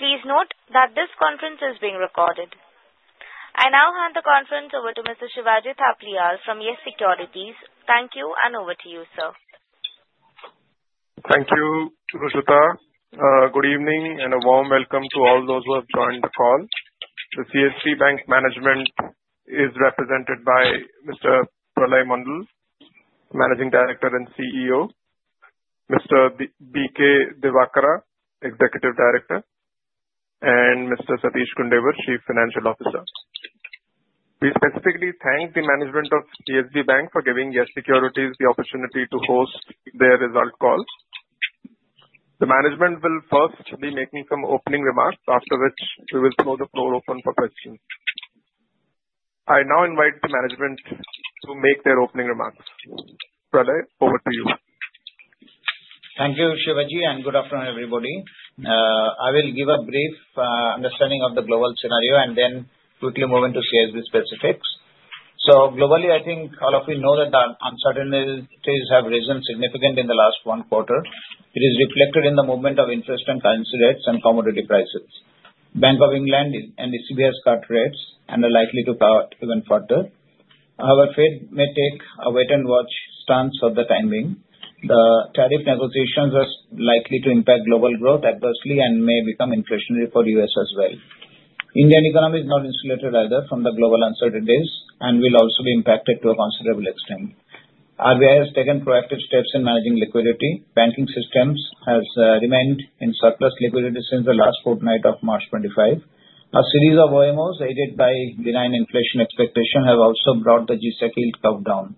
Please note that this conference is being recorded. I now hand the conference over to Mr. Shivaji from Yes Securities. Thank you, and over to you, sir. Thank you, Roshita. Good evening and a warm welcome to all those who have joined the call. The CSB Bank management is represented by Mr. Pralay Mondal, Managing Director and CEO, Mr. B. K. Dewakar, Executive Director, and Mr. Satish Gundewar, Chief Financial Officer. We specifically thank the management of CSB Bank for giving Yes Securities the opportunity to host their result call. The management will first be making some opening remarks, after which we will throw the floor open for questions. I now invite the management to make their opening remarks. Pralay, over to you. Thank you, Shivaji, and good afternoon, everybody. I will give a brief understanding of the global scenario and then quickly move into CSB specifics. Globally, I think all of you know that the uncertainties have risen significantly in the last one quarter. It is reflected in the movement of interest and currency rates and commodity prices. Bank of England and ECB has cut rates and are likely to cut even further. However, Fed may take a wait-and-watch stance for the timing. The tariff negotiations are likely to impact global growth adversely and may become inflationary for the US as well. The Indian economy is not insulated either from the global uncertainties and will also be impacted to a considerable extent. RBI has taken proactive steps in managing liquidity. Banking systems have remained in surplus liquidity since the last fortnight of March 2025. A series of OMOs aided by benign inflation expectations have also brought the GSEC yield curve down.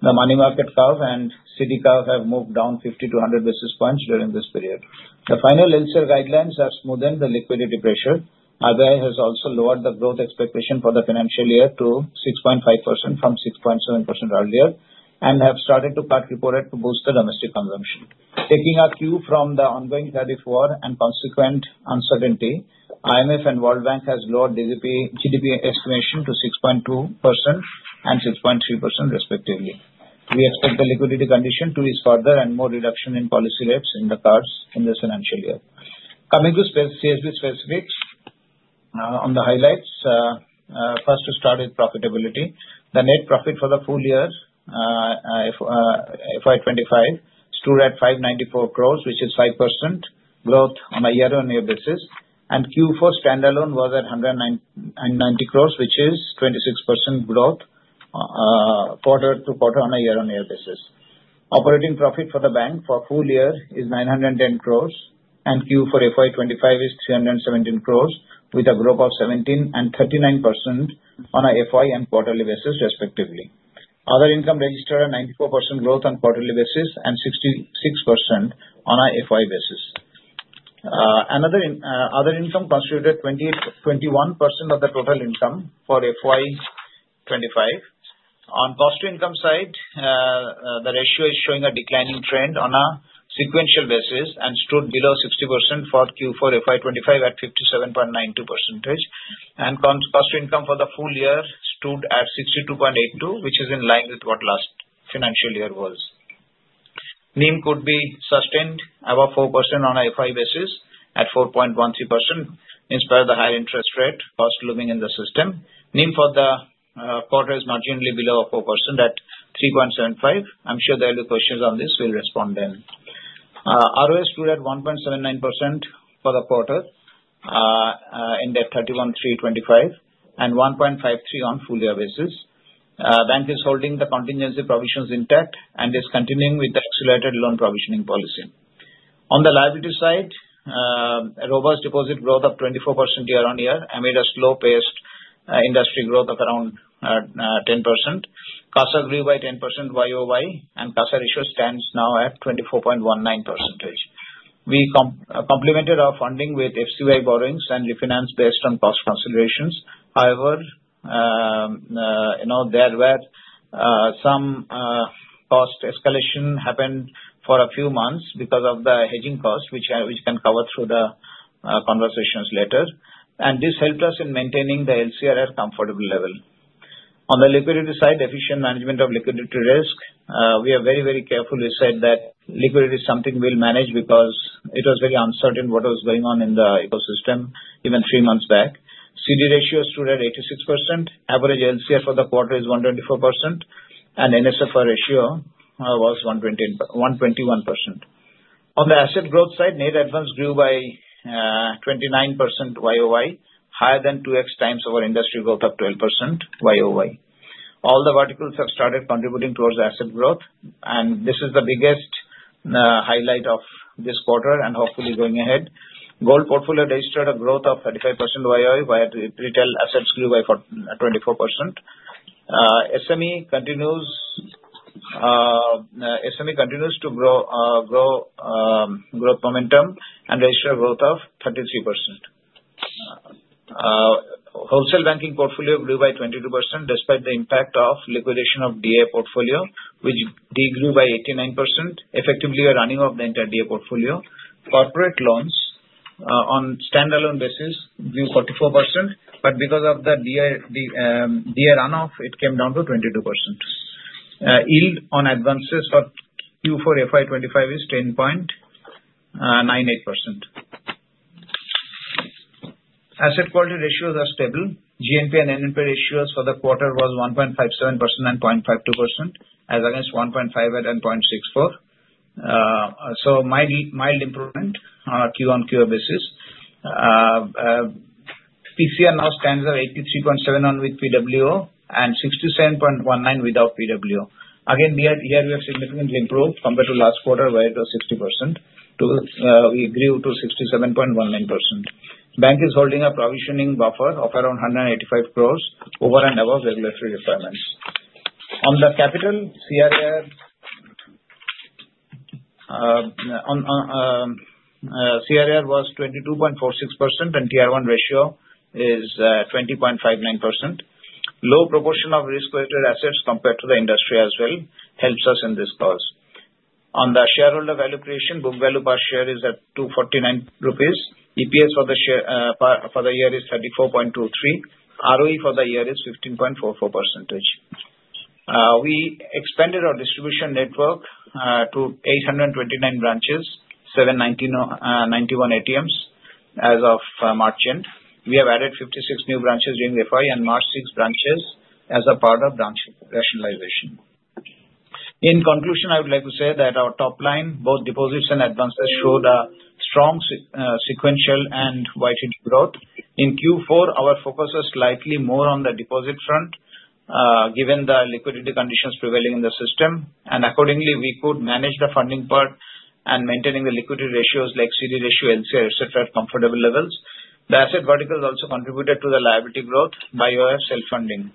The money market curve and CD curve have moved down 50-100 basis points during this period. The final LCR guidelines have smoothened the liquidity pressure. RBI has also lowered the growth expectation for the financial year to 6.5% from 6.7% earlier and has started to cut reported to boost the domestic consumption. Taking a cue from the ongoing tariff war and consequent uncertainty, IMF and World Bank have lowered GDP estimation to 6.2% and 6.3%, respectively. We expect the liquidity condition to ease further and more reduction in policy rates in the cards in this financial year. Coming to CSB specifics, on the highlights, first to start with profitability. The net profit for the full year, 2025, stood at 594 crore, which is 5% growth on a year-on-year basis. Q4 standalone was at 190 crore, which is 26% growth quarter to quarter on a year-on-year basis. Operating profit for the bank for the full year is 910 crore, and Q4 FY 2025 is 317 crore, with a growth of 17% and 39% on a FY and quarterly basis, respectively. Other income registered a 94% growth on quarterly basis and 66% on a FY basis. Other income constituted 21% of the total income for FY 2025. On cost-to-income side, the ratio is showing a declining trend on a sequential basis and stood below 60% for Q4 FY 2025 at 57.92%. Cost-to-income for the full year stood at 62.82%, which is in line with what last financial year was. NIM could be sustained above 4% on a FY basis at 4.13% in spite of the higher interest rate cost looming in the system. NIM for the quarter is marginally below 4% at 3.75%. I'm sure there will be questions on this. We'll respond then. ROA stood at 1.79% for the quarter ended 31/3/2025 and 1.53% on full-year basis. The bank is holding the contingency provisions intact and is continuing with the accelerated loan provisioning policy. On the liability side, robust deposit growth of 24% year-on-year amid a slow-paced industry growth of around 10%. CASA grew by 10% year-on-year, and CASA ratio stands now at 24.19%. We complemented our funding with FCY borrowings and refinanced based on cost considerations. However, there were some cost escalations that happened for a few months because of the hedging cost, which we can cover through the conversations later. This helped us in maintaining the LCR at a comfortable level. On the liquidity side, efficient management of liquidity risk. We are very, very careful. We said that liquidity is something we'll manage because it was very uncertain what was going on in the ecosystem even three months back. CD ratio stood at 86%. Average LCR for the quarter is 124%, and NSFR ratio was 121%. On the asset growth side, net advance grew by 29% YOY, higher than 2X times our industry growth of 12% YOY. All the verticals have started contributing towards asset growth, and this is the biggest highlight of this quarter and hopefully going ahead. Gold portfolio registered a growth of 35% YOY, while retail assets grew by 24%. SME continues to grow growth momentum and registered a growth of 33%. Wholesale banking portfolio grew by 22% despite the impact of liquidation of DA portfolio, which degrew by 89%, effectively running off the entire DA portfolio. Corporate loans on standalone basis grew 44%, but because of the DA runoff, it came down to 22%. Yield on advances for Q4 FY 2025 is 10.98%. Asset quality ratios are stable. GNPA and NNPA ratios for the quarter were 1.57% and 0.52%, as against 1.58% and 0.64%. Mild improvement on a Q on Q basis. PCR now stands at 83.71% with PWO and 67.19% without PWO. Here we have significantly improved compared to last quarter, where it was 60% to we grew to 67.19%. The bank is holding a provisioning buffer of around 185 crore over and above regulatory requirements. On the capital, CRAR was 22.46%, and Tier 1 ratio is 20.59%. Low proportion of risk-weighted assets compared to the industry as well helps us in this cause. On the shareholder value creation, book value per share is at 249 rupees. EPS for the year is 34.23. ROE for the year is 15.44%. We expanded our distribution network to 829 branches, 791 ATMs as of March end. We have added 56 new branches during FY and marked 6 branches as a part of branch rationalization. In conclusion, I would like to say that our top line, both deposits and advances, showed a strong sequential and widely growth. In Q4, our focus was slightly more on the deposit front given the liquidity conditions prevailing in the system. We could manage the funding part and maintaining the liquidity ratios like CD ratio, LCR, etc., at comfortable levels. The asset verticals also contributed to the liability growth by UOF self-funding.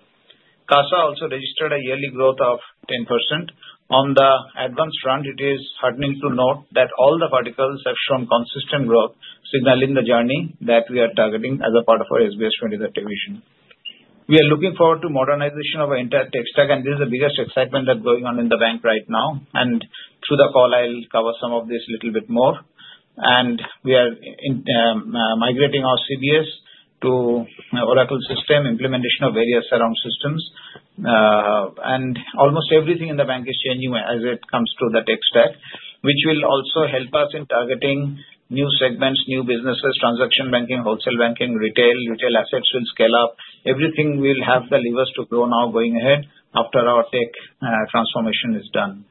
CASA also registered a yearly growth of 10%. On the advance front, it is heartening to note that all the verticals have shown consistent growth, signaling the journey that we are targeting as a part of our SBS 23 division. We are looking forward to modernization of our entire tech stack, and this is the biggest excitement that's going on in the bank right now. Through the call, I'll cover some of this a little bit more. We are migrating our CBS to Oracle system, implementation of various around systems. Almost everything in the bank is changing as it comes to the tech stack, which will also help us in targeting new segments, new businesses, transaction banking, wholesale banking, retail. Retail assets will scale up. Everything will have the levers to grow now going ahead after our tech transformation is done.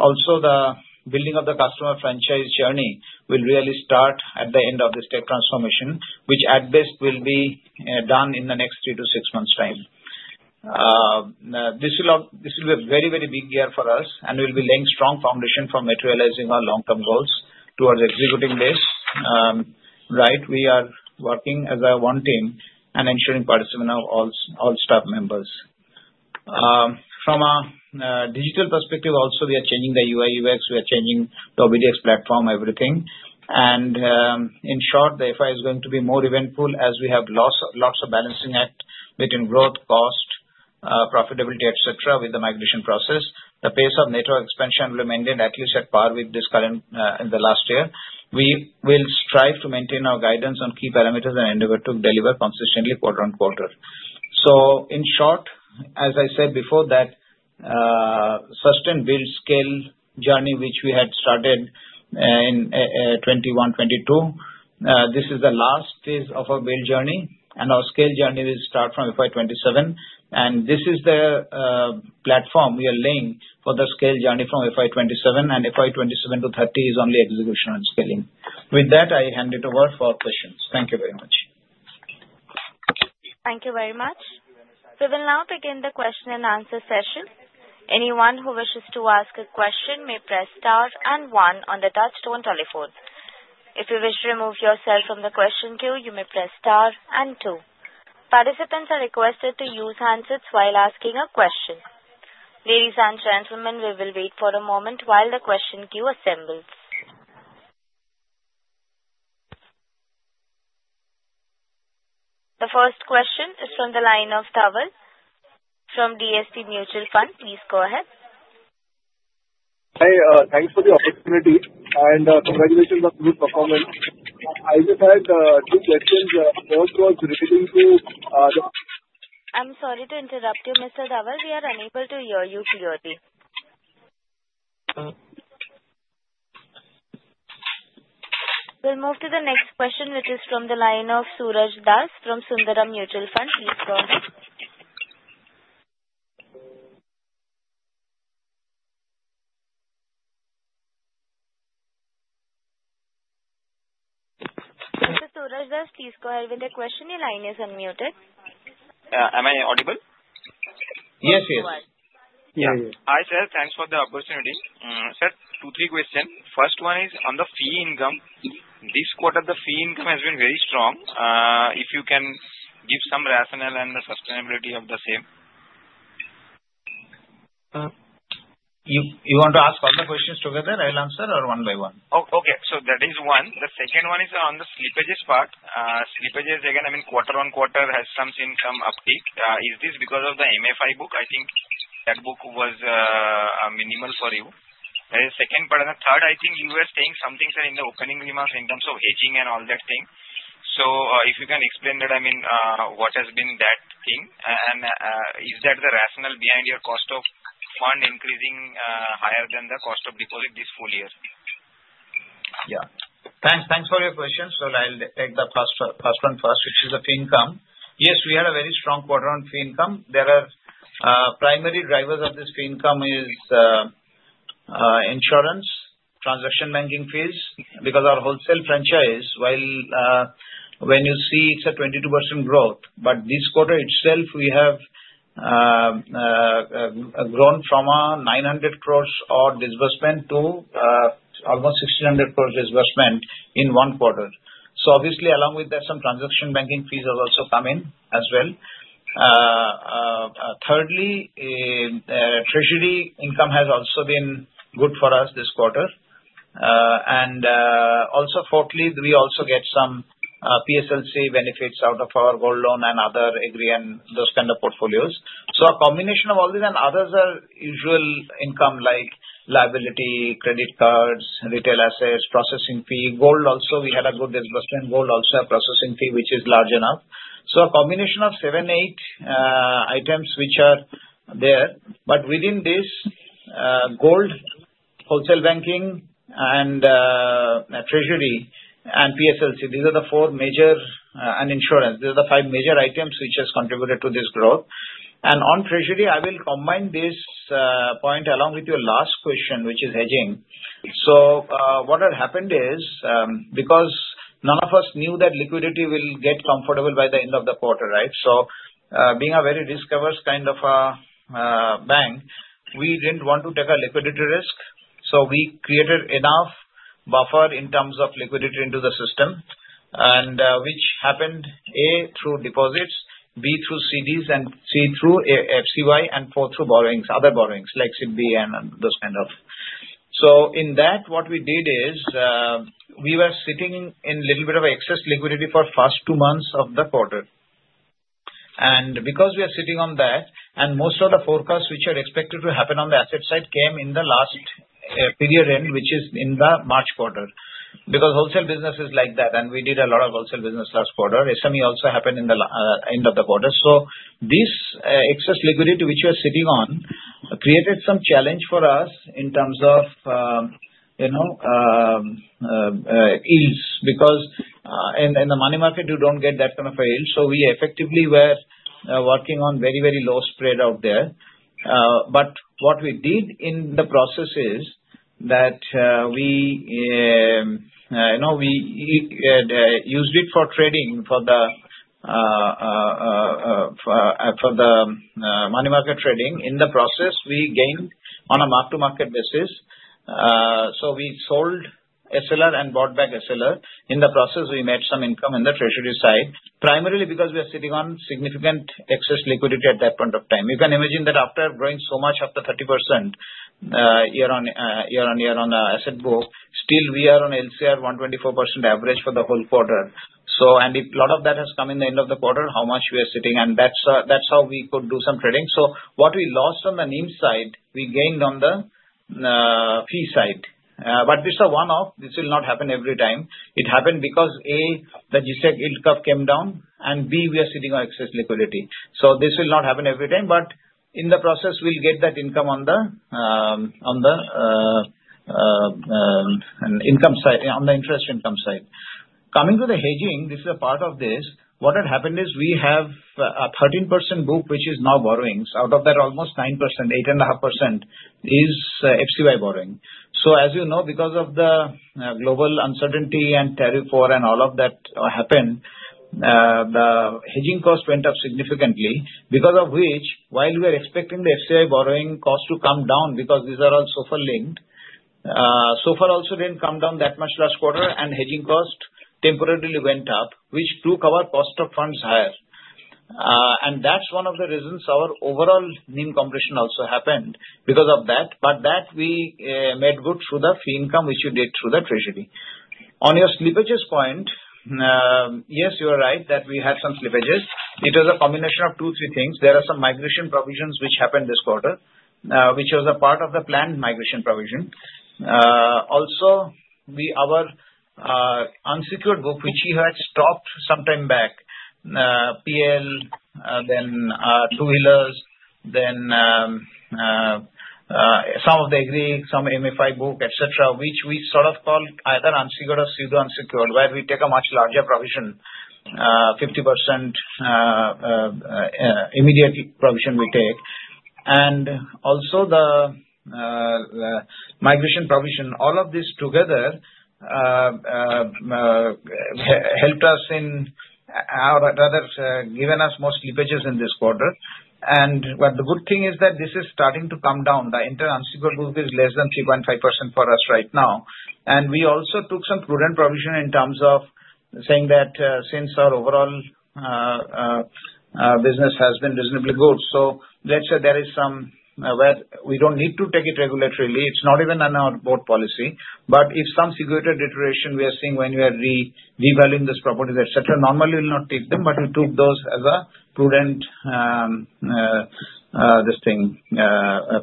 Also, the building of the customer franchise journey will really start at the end of this tech transformation, which at best will be done in the next three to six months' time. This will be a very, very big year for us, and we'll be laying a strong foundation for materializing our long-term goals towards executing this right. We are working as one team and ensuring participation of all staff members. From a digital perspective, also, we are changing the UI/UX. We are changing the OBDX platform, everything. In short, the financial year is going to be more eventful as we have lots of balancing act between growth, cost, profitability, etc., with the migration process. The pace of network expansion remained at least at par with this current in the last year. We will strive to maintain our guidance on key parameters and endeavor to deliver consistently quarter on quarter. In short, as I said before, that sustained build-scale journey which we had started in 2021, 2022, this is the last phase of our build journey. Our scale journey will start from FY 2027. This is the platform we are laying for the scale journey from FY 2027. FY 2027 to 2030 is only execution and scaling. With that, I hand it over for questions. Thank you very much. Thank you very much. We will now begin the question and answer session. Anyone who wishes to ask a question may press star and one on the touchstone telephone. If you wish to remove yourself from the question queue, you may press star and two. Participants are requested to use handsets while asking a question. Ladies and gentlemen, we will wait for a moment while the question queue assembles. The first question is from the line of Dawal from DSP Mutual Fund. Please go ahead. Hi. Thanks for the opportunity and congratulations on the good performance. I just had two questions. First was relating to the. I'm sorry to interrupt you, Mr. Dawal. We are unable to hear you clearly. We'll move to the next question, which is from the line of Suraj Das from Sundaram Mutual Fund. Please go ahead. Mr. Suraj Das, please go ahead with the question. Your line is unmuted. Am I audible? Yes, yes. Yeah, yeah. Hi, sir. Thanks for the opportunity. Sir, two, three questions. First one is on the fee income. This quarter, the fee income has been very strong. If you can give some rationale and the sustainability of the same. You want to ask all the questions together? I'll answer or one by one. Okay. That is one. The second one is on the slippages part. Slippages, again, I mean, quarter on quarter has some uptake. Is this because of the MFI book? I think that book was minimal for you. That is second part. The third, I think you were saying something, sir, in the opening remarks in terms of hedging and all that thing. If you can explain that, I mean, what has been that thing? Is that the rationale behind your cost of fund increasing higher than the cost of deposit this full year? Yeah. Thanks. Thanks for your question. I'll take the first one first, which is the fee income. Yes, we had a very strong quarter around fee income. The primary drivers of this fee income are insurance, transaction banking fees. Because our wholesale franchise, when you see it's a 22% growth, but this quarter itself, we have grown from 900 crore of disbursement to almost 1,600 crore disbursement in one quarter. Obviously, along with that, some transaction banking fees have also come in as well. Thirdly, treasury income has also been good for us this quarter. Also, we get some PSLC benefits out of our gold loan and other agri and those kind of portfolios. A combination of all these and others are usual income like liability, credit cards, retail assets, processing fee. Gold also, we had a good disbursement. Gold also had processing fee, which is large enough. A combination of seven, eight items which are there. Within this, gold, wholesale banking, treasury, PSLC, and insurance, these are the five major items which have contributed to this growth. On treasury, I will combine this point along with your last question, which is hedging. What had happened is because none of us knew that liquidity would get comfortable by the end of the quarter, right? Being a very risk-averse kind of a bank, we did not want to take a liquidity risk. We created enough buffer in terms of liquidity into the system, which happened A, through deposits, B, through CDs, C, through FCY, and fourth, through borrowings, other borrowings like SIPB and those kind of. In that, what we did is we were sitting in a little bit of excess liquidity for the first two months of the quarter. Because we are sitting on that, and most of the forecasts which are expected to happen on the asset side came in the last period end, which is in the March quarter. Wholesale business is like that, and we did a lot of wholesale business last quarter. SME also happened in the end of the quarter. This excess liquidity which we are sitting on created some challenge for us in terms of yields. In the money market, you do not get that kind of a yield. We effectively were working on very, very low spread out there. What we did in the process is that we used it for trading for the money market trading. In the process, we gained on a mark-to-market basis. We sold SLR and bought back SLR. In the process, we made some income on the treasury side, primarily because we were sitting on significant excess liquidity at that point of time. You can imagine that after growing so much, up to 30% year on year on the asset book, still we are on LCR 124% average for the whole quarter. A lot of that has come in at the end of the quarter, how much we are sitting. That is how we could do some trading. What we lost on the NIM side, we gained on the fee side. This is a one-off. This will not happen every time. It happened because, A, the GSEC yield curve came down, and B, we were sitting on excess liquidity. This will not happen every time. In the process, we'll get that income on the income side, on the interest income side. Coming to the hedging, this is a part of this. What had happened is we have a 13% book which is now borrowings. Out of that, almost 9%, 8.5% is FCY borrowing. As you know, because of the global uncertainty and tariff war and all of that happened, the hedging cost went up significantly, because of which, while we were expecting the FCY borrowing cost to come down, because these are all SOFR linked, SOFR also didn't come down that much last quarter, and hedging cost temporarily went up, which took our cost of funds higher. That's one of the reasons our overall NIM compression also happened because of that. That we made good through the fee income which you did through the treasury. On your slippages point, yes, you are right that we had some slippages. It was a combination of two, three things. There are some migration provisions which happened this quarter, which was a part of the planned migration provision. Also, our unsecured book which you had stopped some time back, PL, then two wheelers, then some of the agri, some MFI book, etc., which we sort of called either unsecured or pseudo-unsecured, where we take a much larger provision, 50% immediate provision we take. Also, the migration provision, all of this together helped us in or rather given us more slippages in this quarter. The good thing is that this is starting to come down. The inter-unsecured book is less than 3.5% for us right now. We also took some prudent provision in terms of saying that since our overall business has been reasonably good. Let's say there is somewhere we don't need to take it regulatorily. It's not even on our board policy. If some figurative deterioration we are seeing when we are revaluing these properties, etc., normally we will not take them, but we took those as a prudent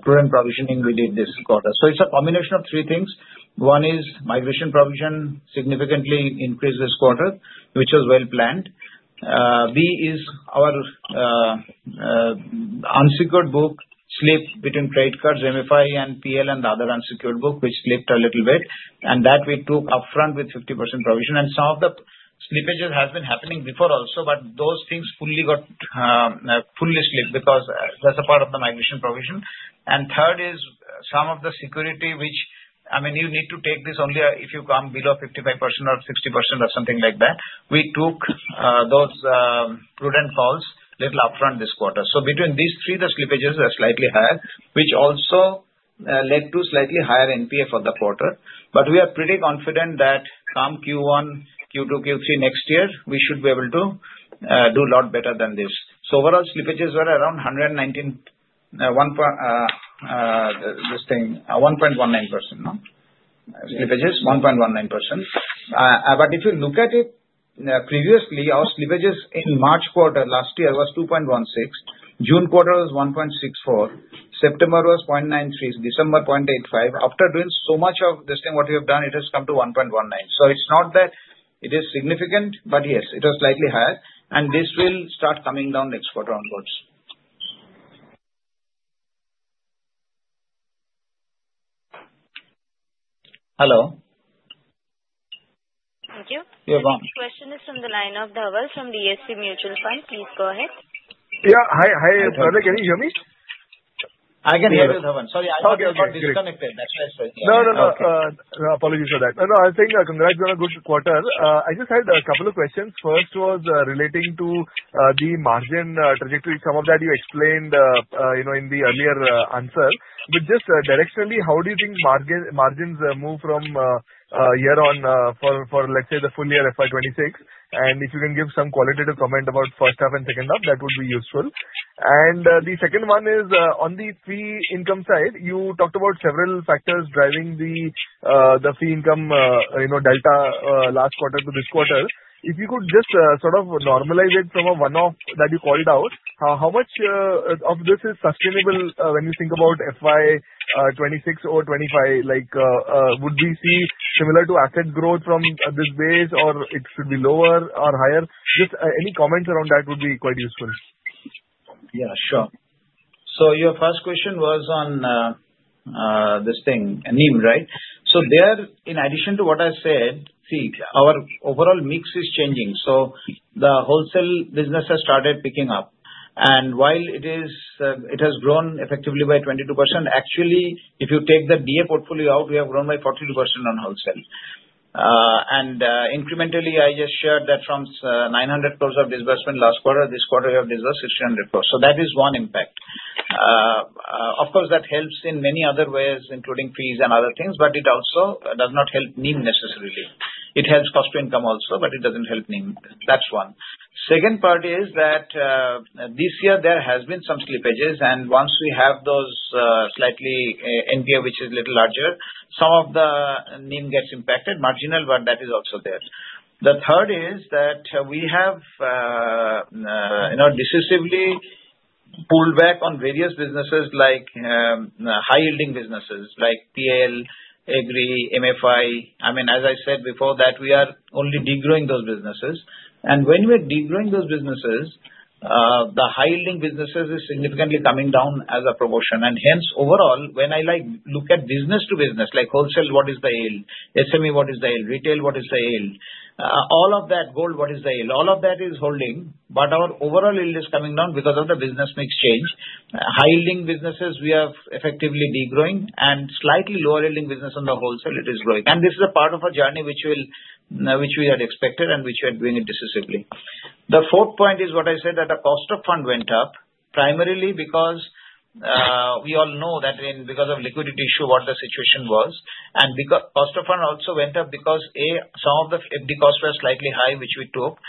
provisioning we did this quarter. It's a combination of three things. One is migration provision significantly increased this quarter, which was well planned. B is our unsecured book slipped between credit cards, MFI, and PL, and the other unsecured book which slipped a little bit. That we took upfront with 50% provision. Some of the slippages have been happening before also, but those things fully got fully slipped because that's a part of the migration provision. Third is some of the security, which I mean, you need to take this only if you come below 55% or 60% or something like that. We took those prudent calls a little upfront this quarter. Between these three, the slippages are slightly higher, which also led to slightly higher NPA for the quarter. We are pretty confident that come Q1, Q2, Q3 next year, we should be able to do a lot better than this. Overall, slippages were around 1.19%. Slippages, 1.19%. If you look at it previously, our slippages in March quarter last year was 2.16%. June quarter was 1.64%. September was 0.93%. December 0.85%. After doing so much of this thing, what we have done, it has come to 1.19%. It is not that it is significant, but yes, it was slightly higher. This will start coming down next quarter onwards. Hello. Thank you. You're fine. The next question is from the line of Dawal from DSP Mutual Fund. Please go ahead. Yeah. Hi, hi. Can you hear me? I can hear you, Dawal. Sorry, I was disconnected. That's why I said. No, no. Apologies for that. No, I was saying congrats on a good quarter. I just had a couple of questions. First was relating to the margin trajectory. Some of that you explained in the earlier answer. Just directionally, how do you think margins move from year on for, let's say, the full year FY 2026? If you can give some qualitative comment about first half and second half, that would be useful. The second one is on the fee income side, you talked about several factors driving the fee income delta last quarter to this quarter. If you could just sort of normalize it from a one-off that you called out, how much of this is sustainable when you think about FY 2026 or 2025? Would we see similar to asset growth from this base, or it should be lower or higher? Just any comments around that would be quite useful. Yeah, sure. Your first question was on this thing, NIM, right? There, in addition to what I said, see, our overall mix is changing. The wholesale business has started picking up. While it has grown effectively by 22%, actually, if you take the DA portfolio out, we have grown by 42% on wholesale. Incrementally, I just shared that from 900 crore of disbursement last quarter, this quarter we have disbursed 1,600 crore. That is one impact. Of course, that helps in many other ways, including fees and other things, but it also does not help NIM necessarily. It helps cost to income also, but it does not help NIM. That is one. The second part is that this year, there have been some slippages. Once we have those slightly NPA, which is a little larger, some of the NIM gets impacted, marginal, but that is also there. The third is that we have decisively pulled back on various businesses like high-yielding businesses like PL, agri, MFI. I mean, as I said before, that we are only degrowing those businesses. When we are degrowing those businesses, the high-yielding businesses are significantly coming down as a proportion. Hence, overall, when I look at business to business, like wholesale, what is the yield? SME, what is the yield? Retail, what is the yield? All of that, gold, what is the yield? All of that is holding. Our overall yield is coming down because of the business mix change. High-yielding businesses, we have effectively degrowing. Slightly lower-yielding business on the wholesale, it is growing. This is a part of a journey which we had expected and which we are doing it decisively. The fourth point is what I said, that the cost of fund went up, primarily because we all know that because of liquidity issue, what the situation was. Cost of fund also went up because, A, some of the FD costs were slightly high, which we took.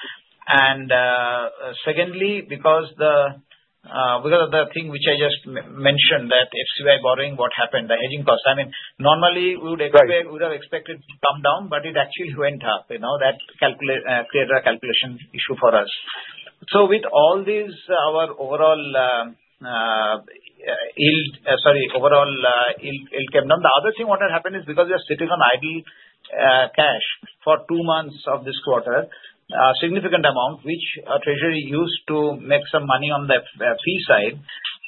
Secondly, because of the thing which I just mentioned, that FCI borrowing, what happened, the hedging cost. I mean, normally, we would have expected it to come down, but it actually went up. That created a calculation issue for us. With all these, our overall yield, sorry, overall yield came down. The other thing what had happened is because we are sitting on idle cash for two months of this quarter, a significant amount, which treasury used to make some money on the fee side.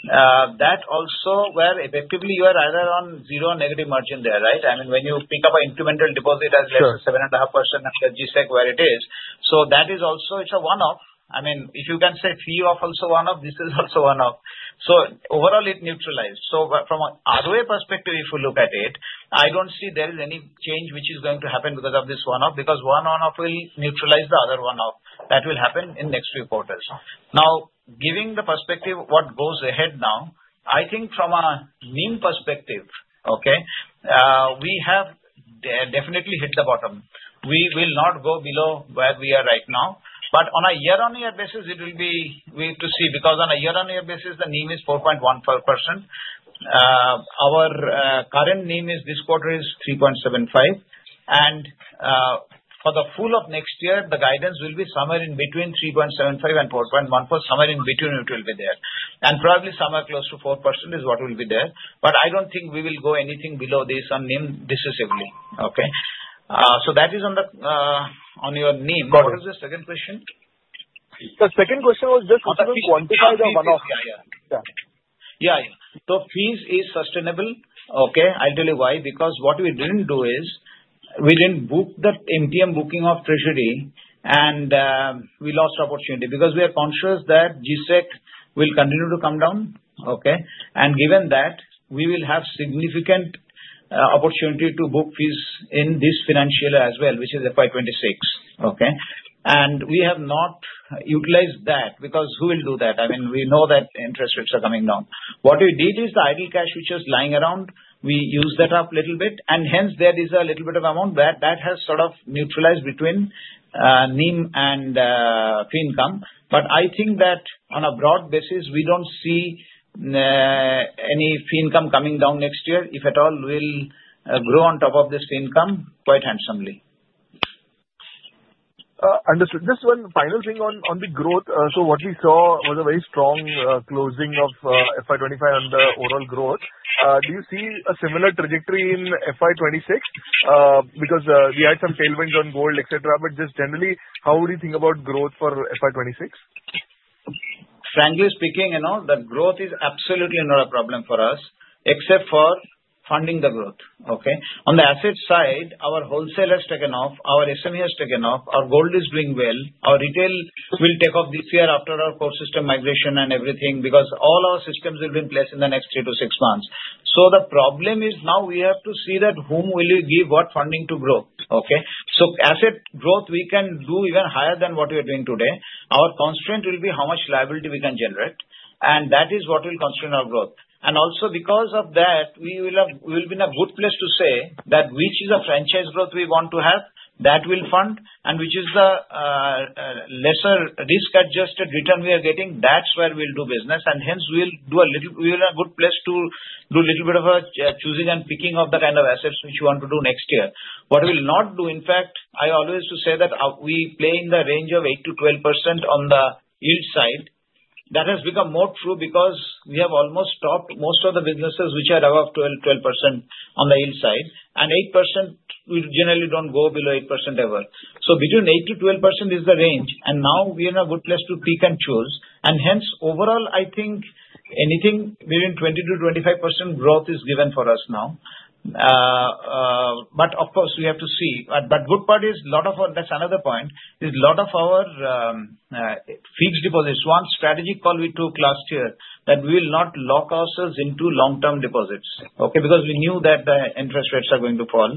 That also where effectively you are either on zero negative margin there, right? I mean, when you pick up an incremental deposit as less than 7.5% after GSEC, where it is. That is also, it's a one-off. I mean, if you can say fee off also one-off, this is also one-off. Overall, it neutralized. From an ROA perspective, if we look at it, I don't see there is any change which is going to happen because of this one-off. Because one-off will neutralize the other one-off. That will happen in next few quarters. Now, giving the perspective what goes ahead now, I think from a NIM perspective, okay, we have definitely hit the bottom. We will not go below where we are right now. On a year-on-year basis, it will be we have to see. Because on a year-on-year basis, the NIM is 4.15%. Our current NIM this quarter is 3.75%. For the full of next year, the guidance will be somewhere in between 3.75%-4.14%, somewhere in between it will be there. Probably somewhere close to 4% is what will be there. I do not think we will go anything below this on NIM decisively, okay? That is on your NIM. What was the second question? The second question was just how to quantify the one-off. Yeah, yeah. Yeah, yeah. So fees is sustainable, okay? I'll tell you why. Because what we didn't do is we didn't book the MTM booking of treasury, and we lost opportunity. Because we are conscious that GSEC will continue to come down, okay? Given that, we will have significant opportunity to book fees in this financial as well, which is FY26, okay? We have not utilized that. Because who will do that? I mean, we know that interest rates are coming down. What we did is the idle cash, which was lying around, we used that up a little bit. Hence, there is a little bit of amount that has sort of neutralized between NIM and fee income. I think that on a broad basis, we don't see any fee income coming down next year. If at all, we'll grow on top of this fee income quite handsomely. Understood. Just one final thing on the growth. What we saw was a very strong closing of FY25 on the overall growth. Do you see a similar trajectory in FY 2026? We had some tailwinds on gold, etc. Just generally, how do you think about growth for FY 2026? Frankly speaking, the growth is absolutely not a problem for us, except for funding the growth, okay? On the asset side, our wholesale has taken off. Our SME has taken off. Our gold is doing well. Our retail will take off this year after our core system migration and everything. Because all our systems will be in place in the next three to six months. The problem is now we have to see that whom will we give what funding to grow, okay? Asset growth, we can do even higher than what we are doing today. Our constraint will be how much liability we can generate. That is what will constrain our growth. Also, because of that, we will be in a good place to say that which is a franchise growth we want to have, that we'll fund. Which is the lesser risk-adjusted return we are getting, that's where we'll do business. Hence, we're in a good place to do a little bit of choosing and picking of the kind of assets which we want to do next year. What we will not do, in fact, I always say that we play in the range of 8-12% on the yield side. That has become more true because we have almost stopped most of the businesses which are above 12% on the yield side. At 8%, we generally don't go below 8% ever. So between 8-12% is the range. Now we are in a good place to pick and choose. Hence, overall, I think anything within 20-25% growth is given for us now. Of course, we have to see. The good part is a lot of our, that's another point, there's a lot of our fixed deposits. One strategic call we took last year was that we will not lock ourselves into long-term deposits, okay? We knew that the interest rates are going to fall.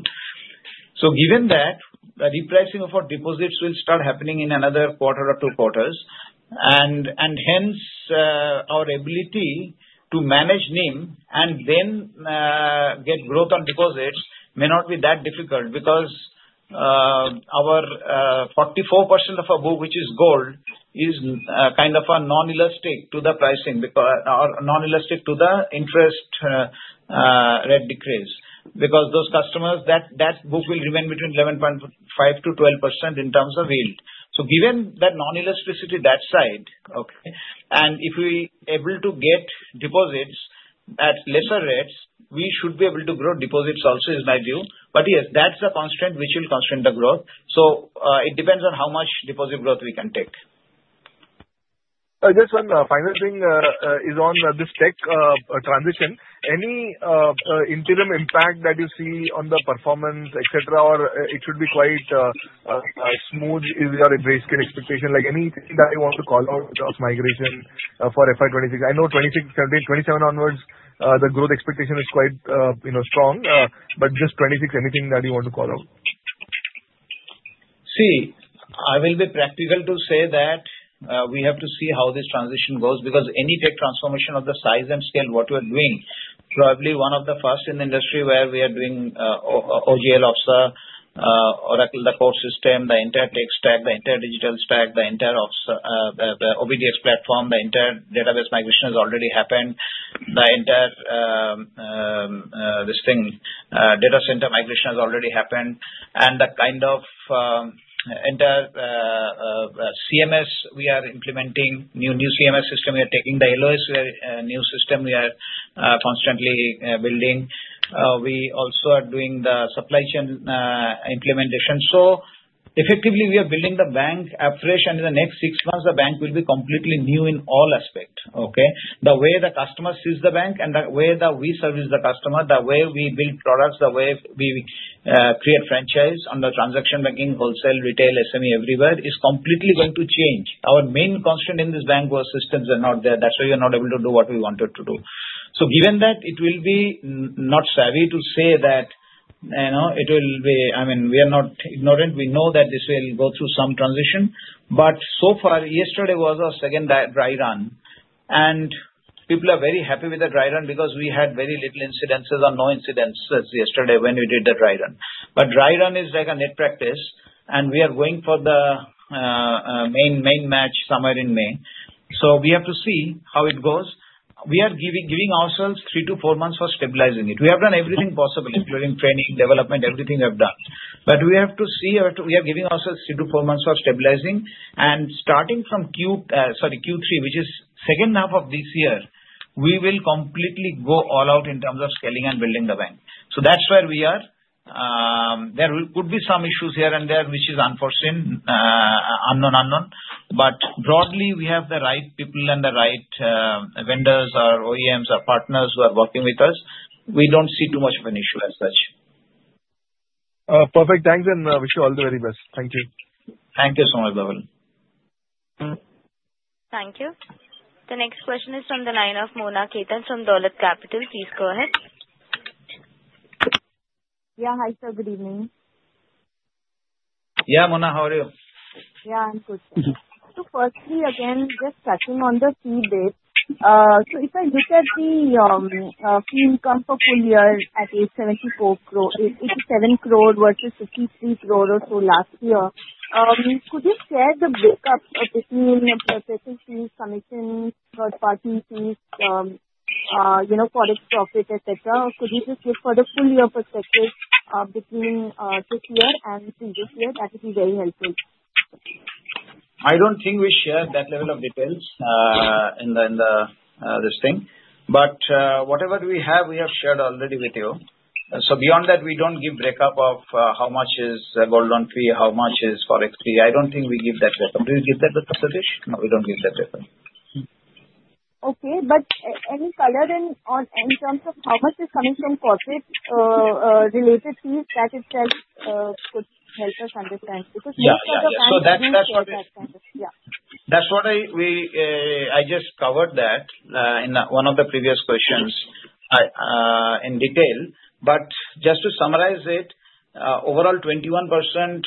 Given that, the repricing of our deposits will start happening in another quarter or two quarters. Hence, our ability to manage NIM and then get growth on deposits may not be that difficult. Our 44% of our book, which is gold, is kind of non-elastic to the pricing or non-elastic to the interest rate decrease. Those customers, that book will remain between 11.5-12% in terms of yield. Given that non-elasticity that side, okay, and if we are able to get deposits at lesser rates, we should be able to grow deposits also is my view. Yes, that's the constraint which will constrain the growth. It depends on how much deposit growth we can take. Just one final thing is on this tech transition. Any interim impact that you see on the performance, etc., or it should be quite smooth if you are basically expectation? Anything that you want to call out across migration for FY 2026? I know 2026, 2027 onwards, the growth expectation is quite strong. Just 2026, anything that you want to call out? See, I will be practical to say that we have to see how this transition goes. Because any tech transformation of the size and scale what we are doing, probably one of the first in the industry where we are doing OGL OXA, Oracle, the core system, the entire tech stack, the entire digital stack, the entire OBDX platform, the entire database migration has already happened. The entire, this thing, data center migration has already happened. The kind of entire CMS we are implementing, new CMS system we are taking, the LOS new system we are constantly building. We also are doing the supply chain implementation. Effectively, we are building the bank upfresh. In the next six months, the bank will be completely new in all aspect, okay? The way the customer sees the bank and the way that we service the customer, the way we build products, the way we create franchise on the transaction banking, wholesale, retail, SME, everywhere is completely going to change. Our main constraint in this bank was systems are not there. That's why we are not able to do what we wanted to do. Given that, it will be not savvy to say that it will be, I mean, we are not ignorant. We know that this will go through some transition. So far, yesterday was our second dry run. People are very happy with the dry run because we had very little incidences or no incidences yesterday when we did the dry run. Dry run is like a net practice. We are going for the main match somewhere in May. We have to see how it goes. We are giving ourselves three to four months for stabilizing it. We have done everything possible, including training, development, everything we have done. We have to see. We are giving ourselves three to four months for stabilizing. Starting from Q3, which is second half of this year, we will completely go all out in terms of scaling and building the bank. That is where we are. There could be some issues here and there, which is unforeseen, unknown, unknown. Broadly, we have the right people and the right vendors or OEMs or partners who are working with us. We do not see too much of an issue as such. Perfect. Thanks. Wish you all the very best. Thank you. Thank you so much, Bhaval. Thank you. The next question is from the line of Mona Ketan from Dolat Capital. Please go ahead. Yeah, hi sir. Good evening. Yeah, Mona, how are you? Yeah, I'm good. Firstly, again, just touching on the fee base. If I look at the fee income for the full year at 87 crore versus 53 crore or so last year, could you share the breakup between the purchasing fees, commissions, third-party fees, forex profit, etc.? Could you just give further full year perspective between this year and previous year? That would be very helpful. I don't think we share that level of details in this thing. Whatever we have, we have shared already with you. Beyond that, we don't give breakup of how much is gold on fee, how much is forex fee. I don't think we give that breakup. Do you give that breakup, Satish? No, we don't give that breakup. Okay. Any color in terms of how much is coming from corporate-related fees? That itself could help us understand, because we have talked about that. Yeah. That's what we, I just covered that in one of the previous questions in detail. Just to summarize it, overall 21%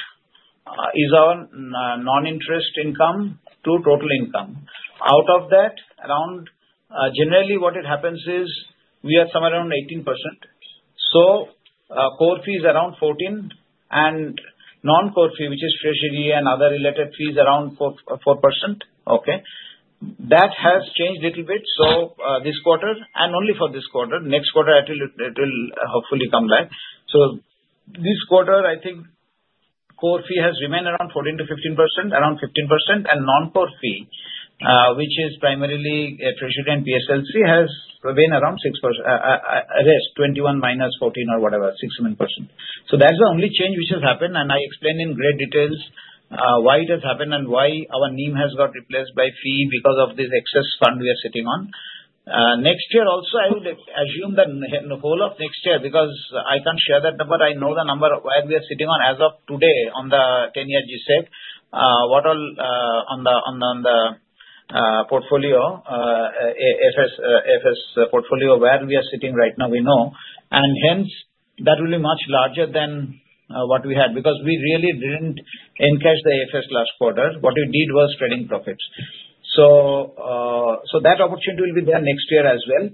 is our non-interest income to total income. Out of that, around generally what happens is we are somewhere around 18%. Core fee is around 14, and non-core fee, which is treasury and other related fees, around 4%. That has changed a little bit this quarter and only for this quarter. Next quarter, it will hopefully come back. This quarter, I think core fee has remained around 14-15%, around 15%. Non-core fee, which is primarily treasury and PSLC, has remained around 6%. Rest, 21 minus 14 or whatever, 6-7%. That's the only change which has happened. I explained in great detail why it has happened and why our NIM has got replaced by fee because of this excess fund we are sitting on. Next year also, I would assume the whole of next year because I can't share that number. I know the number where we are sitting on as of today on the 10-year GSEC, what all on the portfolio, FS portfolio where we are sitting right now, we know. That will be much larger than what we had. We really didn't encash the FS last quarter. What we did was trading profits. That opportunity will be there next year as well.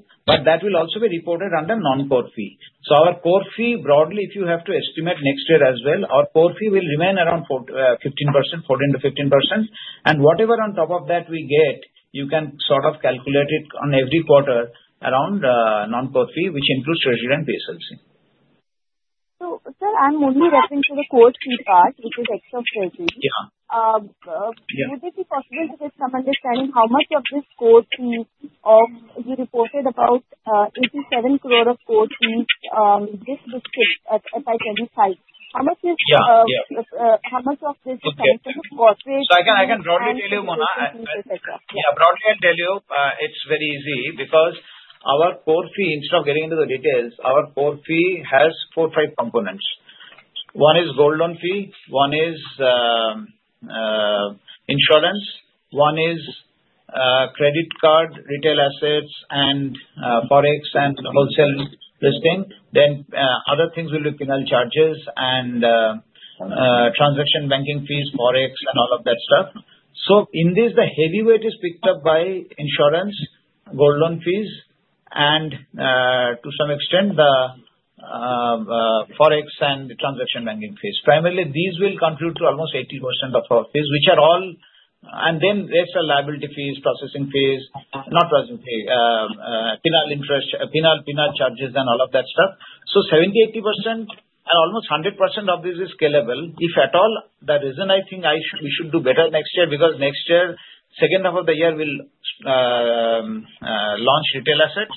That will also be reported under non-core fee. Our core fee, broadly, if you have to estimate next year as well, our core fee will remain around 15%, 14-15%. Whatever on top of that we get, you can sort of calculate it on every quarter around non-core fee, which includes treasury and PSLC. Sir, I'm only referring to the core fee part, which is extra treasury. Would it be possible to get some understanding how much of this core fee of you reported about 87 crore of core fees just this FY25? How much of this is coming from the corporate? I can broadly tell you, Mona. Yeah, broadly I'll tell you. It's very easy. Because our core fee, instead of getting into the details, our core fee has four, five components. One is gold loan fee. One is insurance. One is credit card, retail assets, and forex and wholesale listing. Other things will be penal charges and transaction banking fees, forex, and all of that stuff. In this, the heavyweight is picked up by insurance, gold loan fees, and to some extent, the forex and transaction banking fees. Primarily, these will contribute to almost 80% of our fees, which are all, and then there's liability fees, processing fees, penal charges, and all of that stuff. So 70-80%, and almost 100% of this is scalable. If at all, the reason I think we should do better next year is because next year, second half of the year, we'll launch retail assets.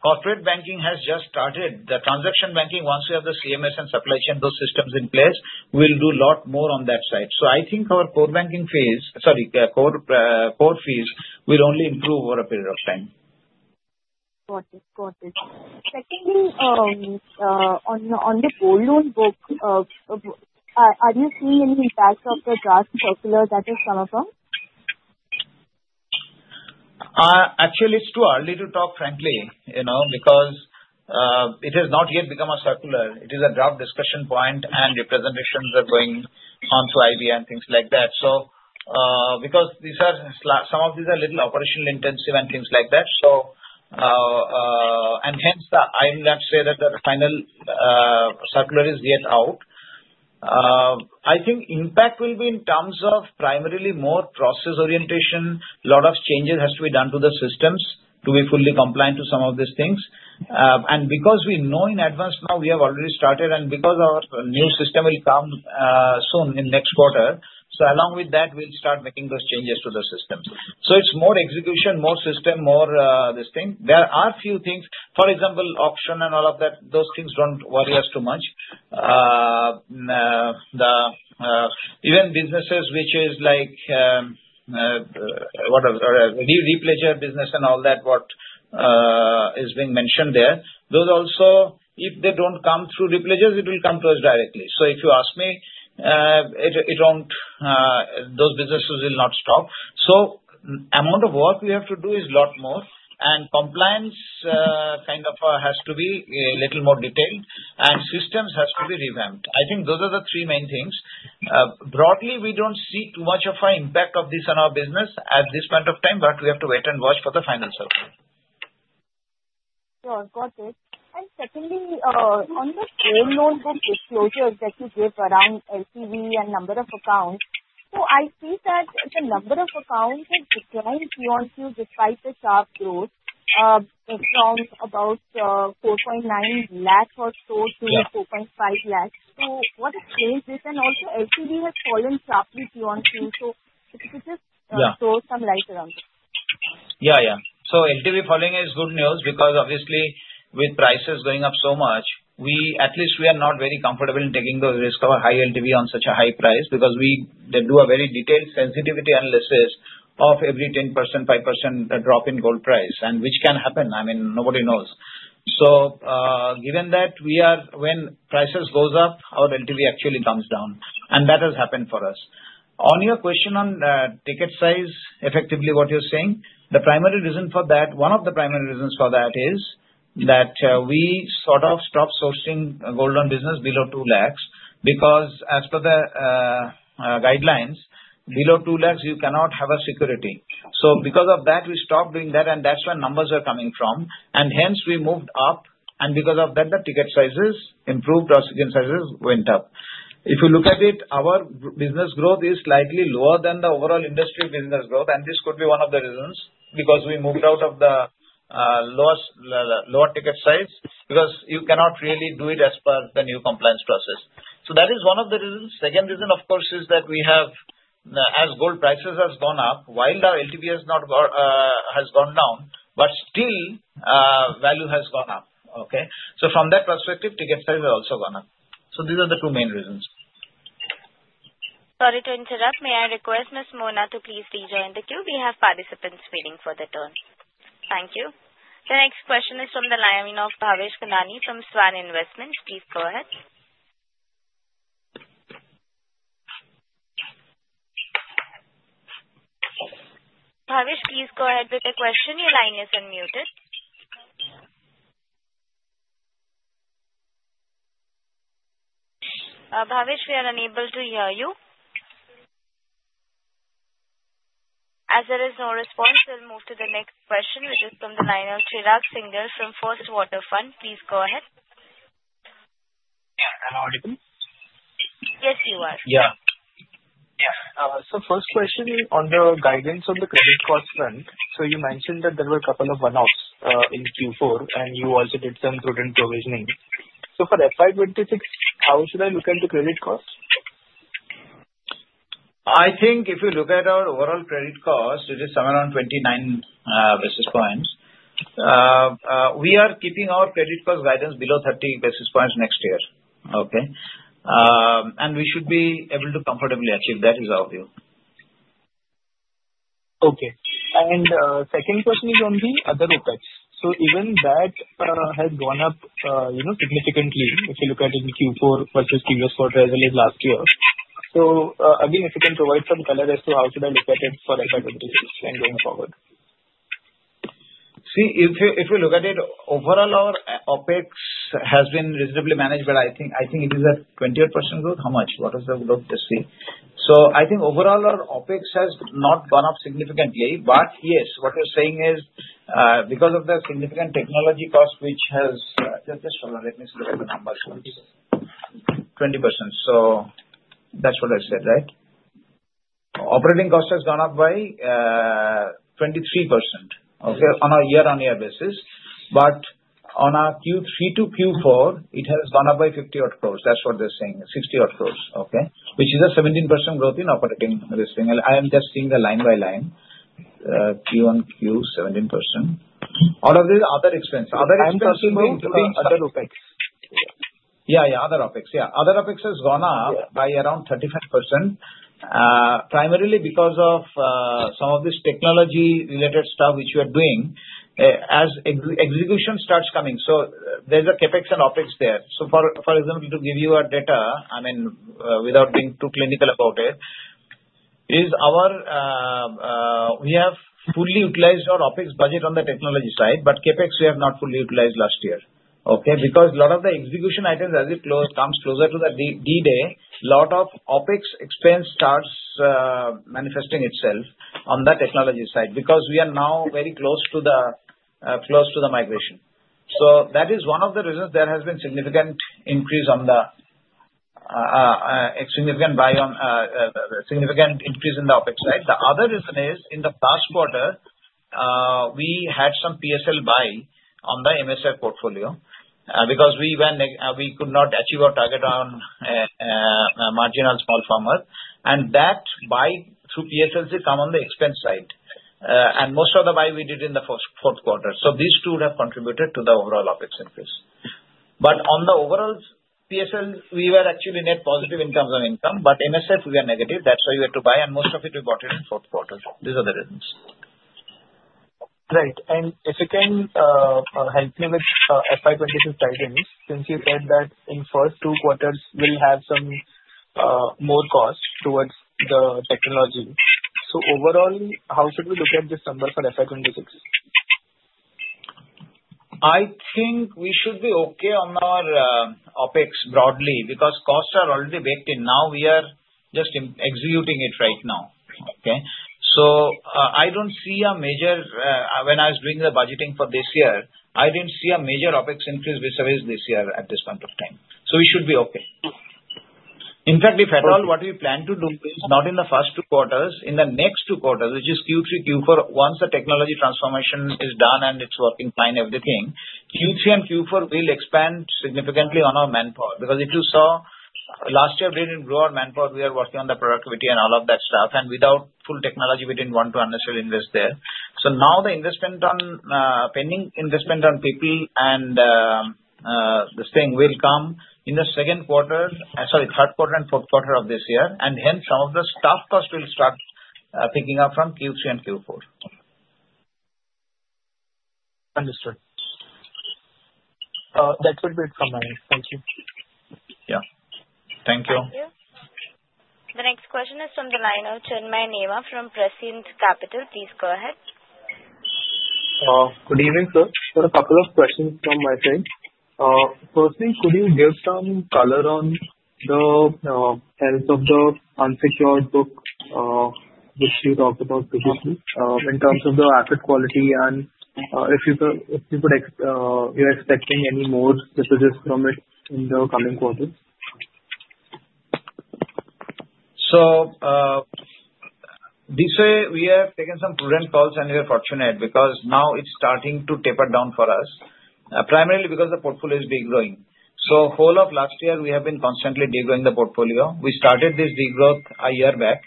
Corporate banking has just started. The transaction banking, once we have the CMS and supply chain, those systems in place, we'll do a lot more on that side. I think our core banking fees, sorry, core fees will only improve over a period of time. Got it. Got it. Secondly, on the gold loan book, are you seeing any impact of the draft circular that has come upon? Actually, it's too early to talk, frankly. Because it has not yet become a circular. It is a draft discussion point, and representations are going on to RBI and things like that. Because some of these are a little operationally intensive and things like that. Hence, I will not say that the final circular is yet out. I think impact will be in terms of primarily more process orientation. A lot of changes have to be done to the systems to be fully compliant to some of these things. Because we know in advance now, we have already started. Because our new system will come soon in next quarter, along with that, we'll start making those changes to the systems. It's more execution, more system, more this thing. There are a few things. For example, auction and all of that, those things do not worry us too much. Even businesses which is like repledger business and all that, what is being mentioned there, those also, if they do not come through repledgers, it will come to us directly. If you ask me, those businesses will not stop. The amount of work we have to do is a lot more. Compliance kind of has to be a little more detailed. Systems has to be revamped. I think those are the three main things. Broadly, we do not see too much of an impact of this on our business at this point of time, but we have to wait and watch for the final circle. Sure. Got it. Secondly, on the gold loan book disclosures that you gave around LTV and number of accounts, I see that the number of accounts has declined year on year despite the sharp growth from about 4.9 lakh or so to 4.5 lakh. What explains this? Also, LTV has fallen sharply year on year. If you could just throw some light around it. Yeah, yeah. LTV falling is good news because obviously, with prices going up so much, at least we are not very comfortable in taking the risk of a high LTV on such a high price because we do a very detailed sensitivity analysis of every 10%, 5% drop in gold price, which can happen. I mean, nobody knows. Given that, when prices go up, our LTV actually comes down. That has happened for us. On your question on ticket size, effectively, what you're saying, the primary reason for that, one of the primary reasons for that is that we sort of stopped sourcing gold on business below 200,000 because as per the guidelines, below 200,000, you cannot have a security. Because of that, we stopped doing that. That's where numbers are coming from. Hence, we moved up. Because of that, the ticket sizes improved. Our ticket sizes went up. If you look at it, our business growth is slightly lower than the overall industry business growth. This could be one of the reasons because we moved out of the lower ticket size because you cannot really do it as per the new compliance process. That is one of the reasons. The second reason, of course, is that as gold prices have gone up, while our LTV has gone down, the value has still gone up, okay? From that perspective, ticket size has also gone up. These are the two main reasons. Sorry to interrupt. May I request Ms. Mona to please rejoin the queue? We have participants waiting for the turn. Thank you. The next question is from the line of Bhavesh Kundani from Swan Investments. Please go ahead. Bhavesh, please go ahead with the question. Your line is unmuted. Bhavesh, we are unable to hear you. As there is no response, we'll move to the next question, which is from the line of Chirag Singhal from First Water Fund. Please go ahead. Yeah. Hello, everyone. Yes, you are. Yeah. Yeah. First question on the guidance on the credit cost front. You mentioned that there were a couple of one-offs in Q4, and you also did some prudent provisioning. For FY 2026, how should I look at the credit cost? I think if you look at our overall credit cost, it is somewhere around 29 basis points. We are keeping our credit cost guidance below 30 basis points next year, okay? We should be able to comfortably achieve that is our view. Okay. The second question is on the other effects. Even that has gone up significantly if you look at it in Q4 versus the previous quarter as well as last year. If you can provide some color as to how should I look at it for FY 2026 and going forward. See, if you look at it overall, our OpEx has been reasonably managed, but I think it is at 28% growth. How much? What is the growth this week? I think overall, our OpEx has not gone up significantly. Yes, what you're saying is because of the significant technology cost, which has just hold on. Let me look at the numbers. 20%. That's what I said, right? Operating cost has gone up by 23% on a year-on-year basis. On our Q3 to Q4, it has gone up by 50-odd crores. That's what they're saying. 60-odd crores, which is a 17% growth in operating this thing. I am just seeing the line by line. Q1, Q1, 17%. All of these are other expenses. Other expenses being other OpEx. Yeah, yeah. Other OpEx. Yeah. Other OpEx has gone up by around 35%, primarily because of some of this technology-related stuff which we are doing as execution starts coming. There is a CapEx and OpEx there. For example, to give you a data, I mean, without being too clinical about it, we have fully utilized our OPEX budget on the technology side, but CapEx we have not fully utilized last year, okay? Because a lot of the execution items, as it comes closer to the D-day, a lot of OpEx expense starts manifesting itself on the technology side because we are now very close to the migration. That is one of the reasons there has been significant increase in the OpEx side. The other reason is in the past quarter, we had some PSL buy on the MSF portfolio because we could not achieve our target on marginal small farmer. That buy through PSLC comes on the expense side. Most of the buy we did in the fourth quarter. These two would have contributed to the overall OpEx increase. On the overall PSL, we were actually net positive in terms of income, but MSF we were negative. That is why we had to buy. Most of it, we bought in fourth quarter. These are the reasons. Right. If you can help me with FY 2022 timings, since you said that in the first two quarters, we will have some more cost towards the technology. Overall, how should we look at this number for FY 2026? I think we should be okay on our OpEx broadly because costs are already baked in. Now we are just executing it right now, okay? I do not see a major, when I was doing the budgeting for this year, I did not see a major OpEx increase with service this year at this point of time. We should be okay. In fact, if at all, what we plan to do is not in the first two quarters, in the next two quarters, which is Q3, Q4, once the technology transformation is done and it is working fine, everything, Q3 and Q4 will expand significantly on our manpower. Because if you saw last year, we did not grow our manpower. We are working on the productivity and all of that stuff. Without full technology, we did not want to unnecessarily invest there. The pending investment on people and this thing will come in the second quarter, sorry, third quarter and fourth quarter of this year. Hence, some of the staff cost will start picking up from Q3 and Q4. Understood. That would be it from my end. Thank you. Yeah. Thank you. Thank you. The next question is from the line of Chandmay Neva from Precinct Capital. Please go ahead. Good evening, sir. I have a couple of questions from my side. First thing, could you give some color on the health of the unsecured book which you talked about previously in terms of the asset quality and if you are expecting any more dispositions from it in the coming quarters? This way, we have taken some prudent calls, and we are fortunate because now it's starting to taper down for us, primarily because the portfolio is degrowing. Whole of last year, we have been constantly degrowing the portfolio. We started this degrowth a year back.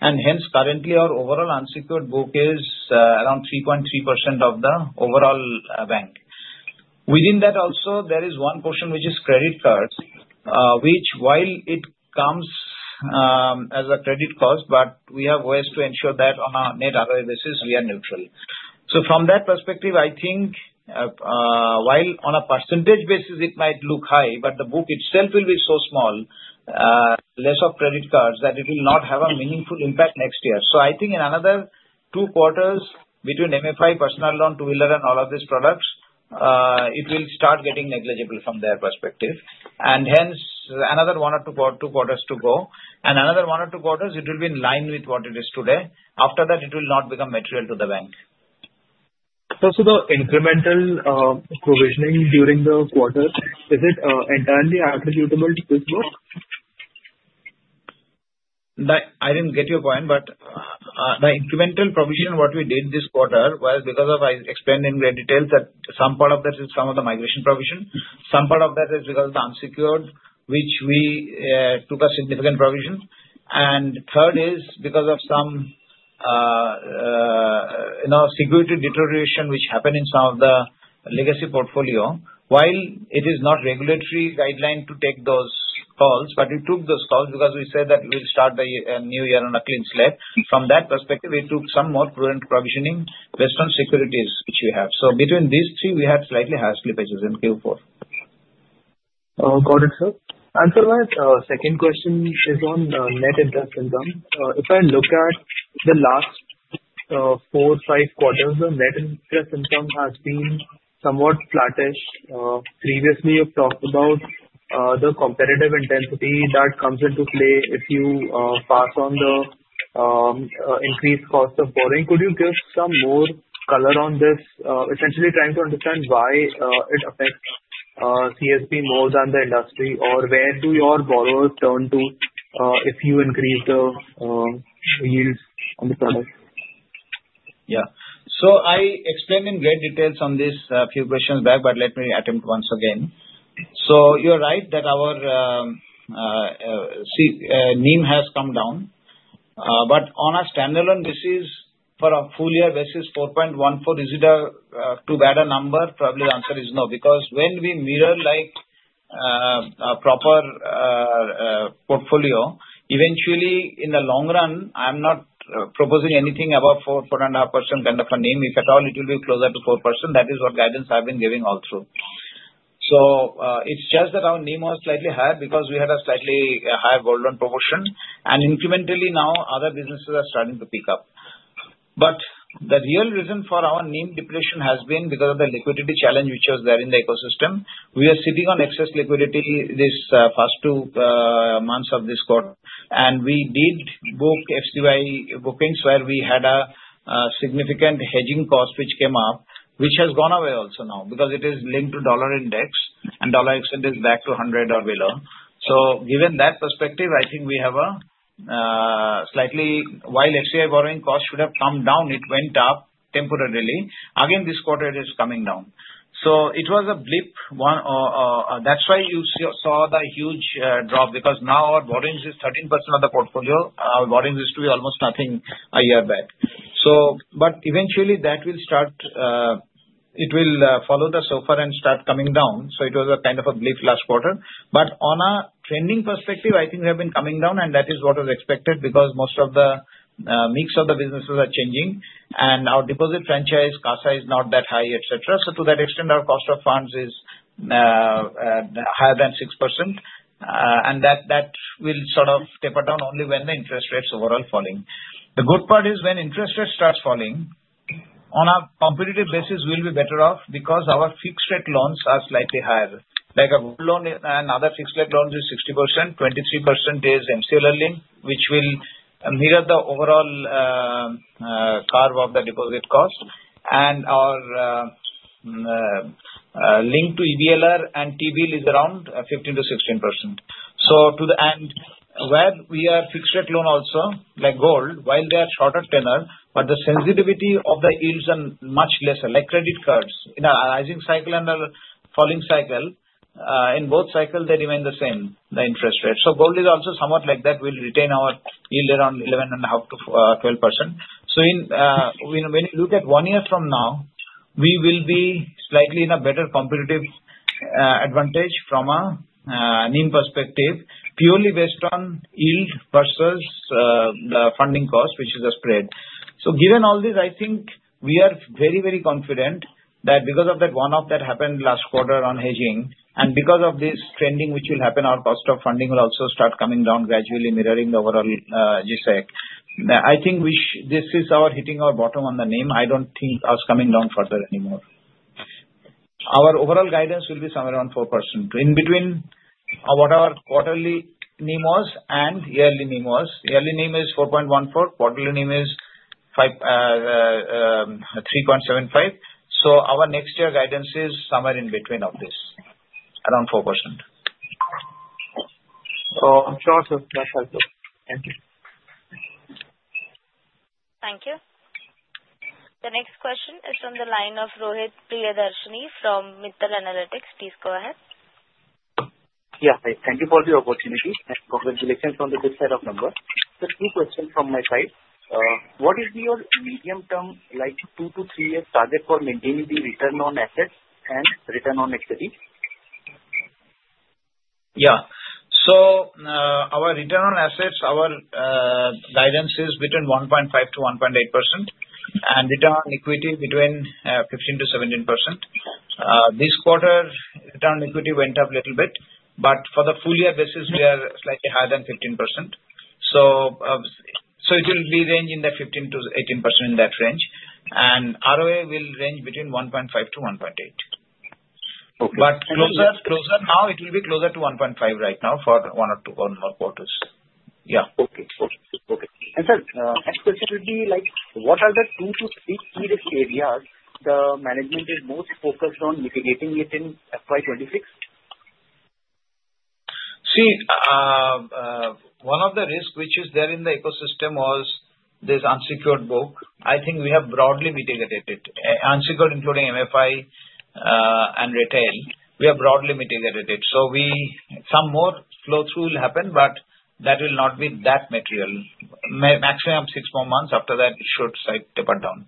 Hence, currently, our overall unsecured book is around 3.3% of the overall bank. Within that also, there is one portion which is credit cards, which while it comes as a credit cost, we have ways to ensure that on a net ROE basis, we are neutral. From that perspective, I think while on a percentage basis, it might look high, but the book itself will be so small, less of credit cards, that it will not have a meaningful impact next year. I think in another two quarters between MFI, personal loan, two-wheeler, and all of these products, it will start getting negligible from their perspective. Hence, another one or two quarters to go. In another one or two quarters, it will be in line with what it is today. After that, it will not become material to the bank. Is the incremental provisioning during the quarter entirely attributable to this book? I didn't get your point, but the incremental provision what we did this quarter was because of I explained in great detail that some part of that is some of the migration provision. Some part of that is because of the unsecured, which we took a significant provision. Third is because of some security deterioration which happened in some of the legacy portfolio. While it is not regulatory guideline to take those calls, we took those calls because we said that we will start the new year on a clean slate. From that perspective, we took some more prudent provisioning based on securities which we have. Between these three, we had slightly higher slippages in Q4. Got it, sir. Sir, my second question is on net interest income. If I look at the last four or five quarters, the net interest income has been somewhat flattish. Previously, you've talked about the competitive intensity that comes into play if you pass on the increased cost of borrowing. Could you give some more color on this? Essentially, trying to understand why it affects CSB more than the industry or where do your borrowers turn to if you increase the yields on the product? Yeah. I explained in great detail some of these a few questions back, but let me attempt once again. You're right that our NIM has come down. On a standalone, this is for a full year versus 4.14, is it too bad a number? Probably the answer is no because when we mirror a proper portfolio, eventually, in the long run, I'm not proposing anything above 4.5% kind of a NIM. If at all, it will be closer to 4%. That is what guidance I've been giving all through. It's just that our NIM was slightly higher because we had a slightly higher gold loan proportion. Incrementally, now other businesses are starting to pick up. The real reason for our NIM depletion has been because of the liquidity challenge which was there in the ecosystem. We are sitting on excess liquidity these first two months of this quarter. We did book FCY bookings where we had a significant hedging cost which came up, which has gone away also now because it is linked to dollar index, and dollar exchange is back to 100 or below. Given that perspective, I think we have a slightly while FCY borrowing cost should have come down, it went up temporarily. Again, this quarter, it is coming down. It was a blip one. That is why you saw the huge drop because now our borrowings is 13% of the portfolio. Our borrowings used to be almost nothing a year back. Eventually, that will start it will follow the SOFR and start coming down. It was a kind of a blip last quarter. On a trending perspective, I think we have been coming down, and that is what was expected because most of the mix of the businesses are changing. Our deposit franchise, CASA is not that high, etc. To that extent, our cost of funds is higher than 6%. That will sort of taper down only when the interest rates overall are falling. The good part is when interest rates start falling, on a competitive basis, we'll be better off because our fixed-rate loans are slightly higher. Like a gold loan, another fixed-rate loan is 60%. 23% is MCLR link, which will mirror the overall curve of the deposit cost. Our link to EBLR and TBL is around 15-16%. To the end, where we are fixed-rate loan also, like gold, while they are shorter tenor, the sensitivity of the yields is much lesser. Like credit cards, in a rising cycle and a falling cycle, in both cycles, they remain the same, the interest rate. Gold is also somewhat like that. We'll retain our yield around 11.5-12%. When you look at one year from now, we will be slightly in a better competitive advantage from a NIM perspective, purely based on yield versus the funding cost, which is a spread. Given all this, I think we are very, very confident that because of that one-off that happened last quarter on hedging and because of this trending which will happen, our cost of funding will also start coming down gradually, mirroring the overall GSEC. I think this is our hitting our bottom on the NIM. I don't think it's coming down further anymore. Our overall guidance will be somewhere around 4%. In between what our quarterly NIM was and yearly NIM was. Yearly NIM is 4.13. Quarterly NIM is 3.75. Our next year guidance is somewhere in between of this, around 4%. Sure, sir. That's helpful. Thank you. Thank you. The next question is from the line of Rohit Priyadarshani from Mittal Analytics. Please go ahead. Yeah. Thank you for the opportunity. Congratulations on the good set of numbers. Just two questions from my side. What is your medium-term, like two to three-year target for maintaining the return on assets and return on equity? Yeah. Our return on assets, our guidance is between 1.5-1.8% and return on equity between 15-17%. This quarter, return on equity went up a little bit. For the full year basis, we are slightly higher than 15%. It will be ranging in the 15-18% range. ROA will range between 1.5-1.8%. Closer now, it will be closer to 1.5% right now for one or two more quarters. Yeah. Okay. Okay. Okay. Sir, next question would be like, what are the two to three key risk areas the management is most focused on mitigating in FY26? See, one of the risks which is there in the ecosystem was this unsecured book. I think we have broadly mitigated it. Unsecured, including MFI and retail. We have broadly mitigated it. Some more flow-through will happen, but that will not be that material. Maximum six more months. After that, it should taper down.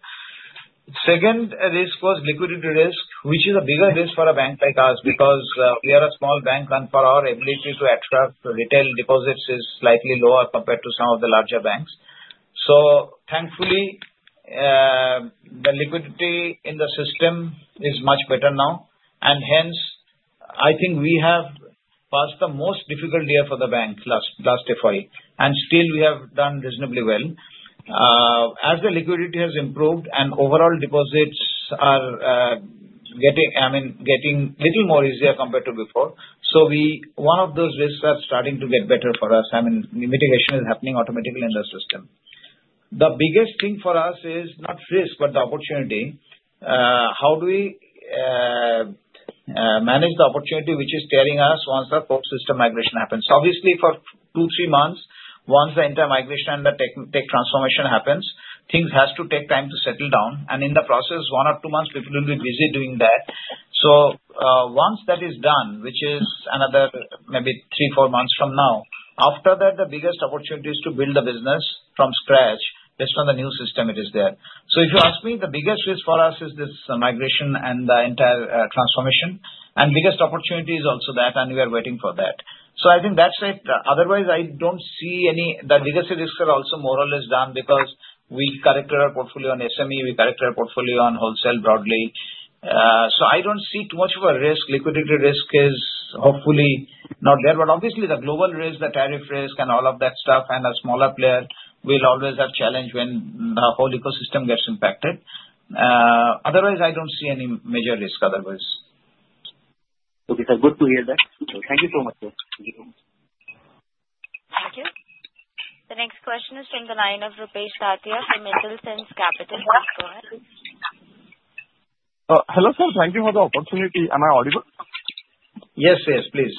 The second risk was liquidity risk, which is a bigger risk for a bank like us because we are a small bank, and our ability to attract retail deposits is slightly lower compared to some of the larger banks. Thankfully, the liquidity in the system is much better now. I think we have passed the most difficult year for the bank last FY. Still, we have done reasonably well. As the liquidity has improved and overall deposits are getting a little more easier compared to before, one of those risks are starting to get better for us. I mean, mitigation is happening automatically in the system. The biggest thing for us is not risk, but the opportunity. How do we manage the opportunity which is tearing us once the whole system migration happens? Obviously, for two, three months, once the entire migration and the tech transformation happens, things have to take time to settle down. In the process, one or two months, people will be busy doing that. Once that is done, which is another maybe three, four months from now, after that, the biggest opportunity is to build the business from scratch based on the new system it is there. If you ask me, the biggest risk for us is this migration and the entire transformation. The biggest opportunity is also that, and we are waiting for that. I think that's it. Otherwise, I don't see any. The legacy risks are also more or less done because we corrected our portfolio on SME. We corrected our portfolio on wholesale broadly. I don't see too much of a risk. Liquidity risk is hopefully not there. Obviously, the global risk, the tariff risk, and all of that stuff, and a smaller player will always have challenge when the whole ecosystem gets impacted. Otherwise, I don't see any major risk otherwise. Okay, sir. Good to hear that. Thank you so much, sir. Thank you so much. Thank you. The next question is from the line of Rupesh Sathya from Mittal Financial Capital. Go ahead. Hello, sir. Thank you for the opportunity. Am I audible? Yes, yes. Please.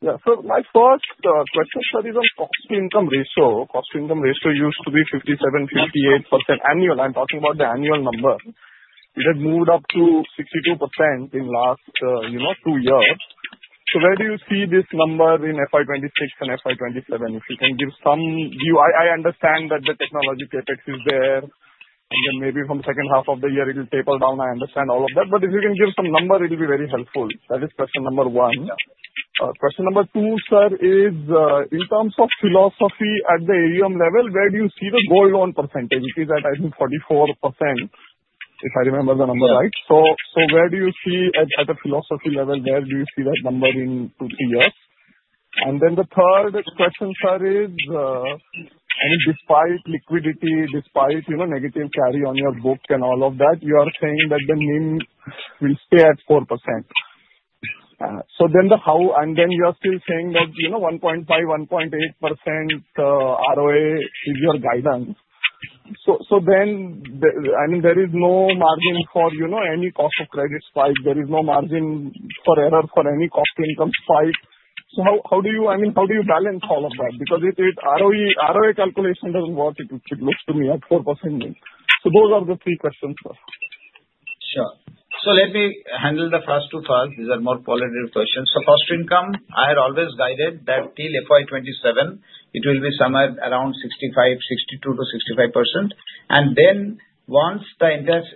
Yeah. My first question, sir, is on cost-to-income ratio. Cost-to-income ratio used to be 57-58% annual. I'm talking about the annual number. It has moved up to 62% in the last two years. Where do you see this number in FY2026 and FY2027? If you can give some view, I understand that the technology CapEx is there, and then maybe from the second half of the year, it will taper down. I understand all of that. If you can give some number, it will be very helpful. That is question number one. Question number two, sir, is in terms of philosophy at the AUM level, where do you see the gold on percentage? It is at, I think, 44%, if I remember the number right. Where do you see at a philosophy level, where do you see that number in two, three years? Then the third question, sir, is I mean, despite liquidity, despite negative carry on your book and all of that, you are saying that the NIM will stay at 4%. Then how, and then you are still saying that 1.5-1.8% ROA is your guidance. Then, I mean, there is no margin for any cost of credit spike. There is no margin for error for any cost-to-income spike. How do you, I mean, how do you balance all of that? Because if ROA calculation doesn't work, it looks to me at 4%. Those are the three questions, sir. Sure. Let me handle the first two first. These are more qualitative questions. Cost-to-income, I had always guided that till FY 2027, it will be somewhere around 62-65%. Once the entire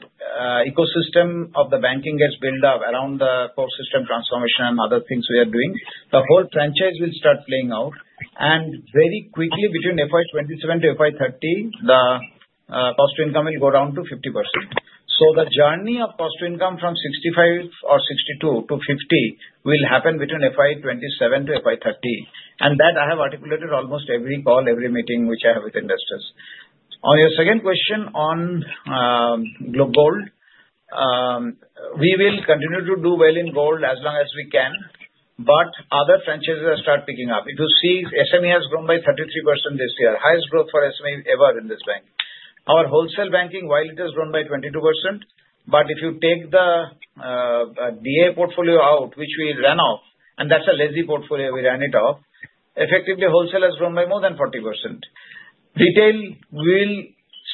ecosystem of the banking gets built up around the core system transformation and other things we are doing, the whole franchise will start playing out. Very quickly, between FY 2027-FY 2030, the cost-to-income will go down to 50%. The journey of cost-to-income from 62 or 65 to 50 will happen between FY 2027-FY 2030. I have articulated that almost every call, every meeting which I have with investors. On your second question on gold, we will continue to do well in gold as long as we can, but other franchises start picking up. If you see, SME has grown by 33% this year. Highest growth for SME ever in this bank. Our wholesale banking, while it has grown by 22%, but if you take the DA portfolio out, which we ran off, and that's a lazy portfolio, we ran it off. Effectively, wholesale has grown by more than 40%. Retail will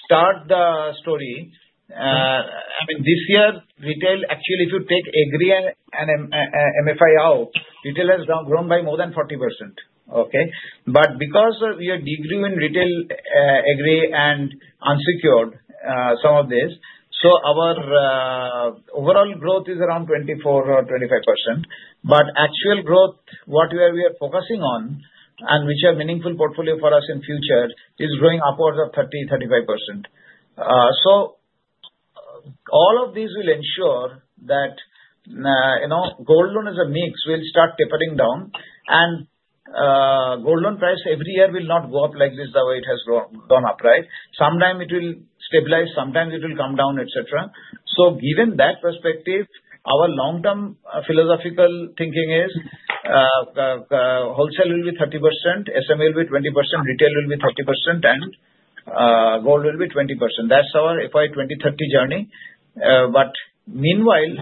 start the story. I mean, this year, retail actually, if you take AGRI and MFI out, retail has grown by more than 40%. Okay? Because of your degree in retail AGRI and unsecured, some of this, our overall growth is around 24% or 25%. Actual growth, what we are focusing on and which are meaningful portfolio for us in future is growing upwards of 30%-35%. All of these will ensure that gold loan as a mix will start tapering down. Gold loan price every year will not go up like this, the way it has gone up, right? Sometime it will stabilize, sometime it will come down, etc. Given that perspective, our long-term philosophical thinking is wholesale will be 30%, SME will be 20%, retail will be 30%, and gold will be 20%. That is our FY2020-2030 journey. Meanwhile,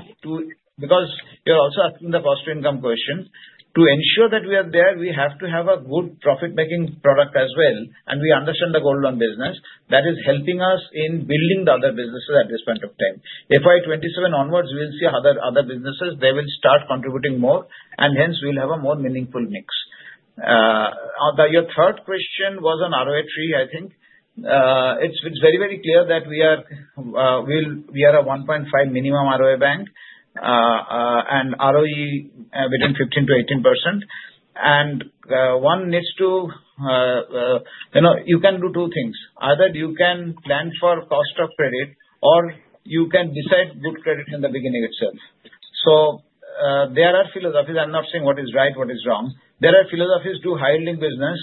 because you are also asking the cost-to-income question, to ensure that we are there, we have to have a good profit-making product as well. We understand the gold loan business that is helping us in building the other businesses at this point of time. FY2027 onwards, we will see other businesses. They will start contributing more, and hence, we will have a more meaningful mix. Your third question was on ROA tree, I think. It's very, very clear that we are a 1.5 minimum ROA bank and ROE between 15-18%. One needs to, you can do two things. Either you can plan for cost of credit or you can decide good credit in the beginning itself. There are philosophies. I'm not saying what is right, what is wrong. There are philosophies to high-yielding business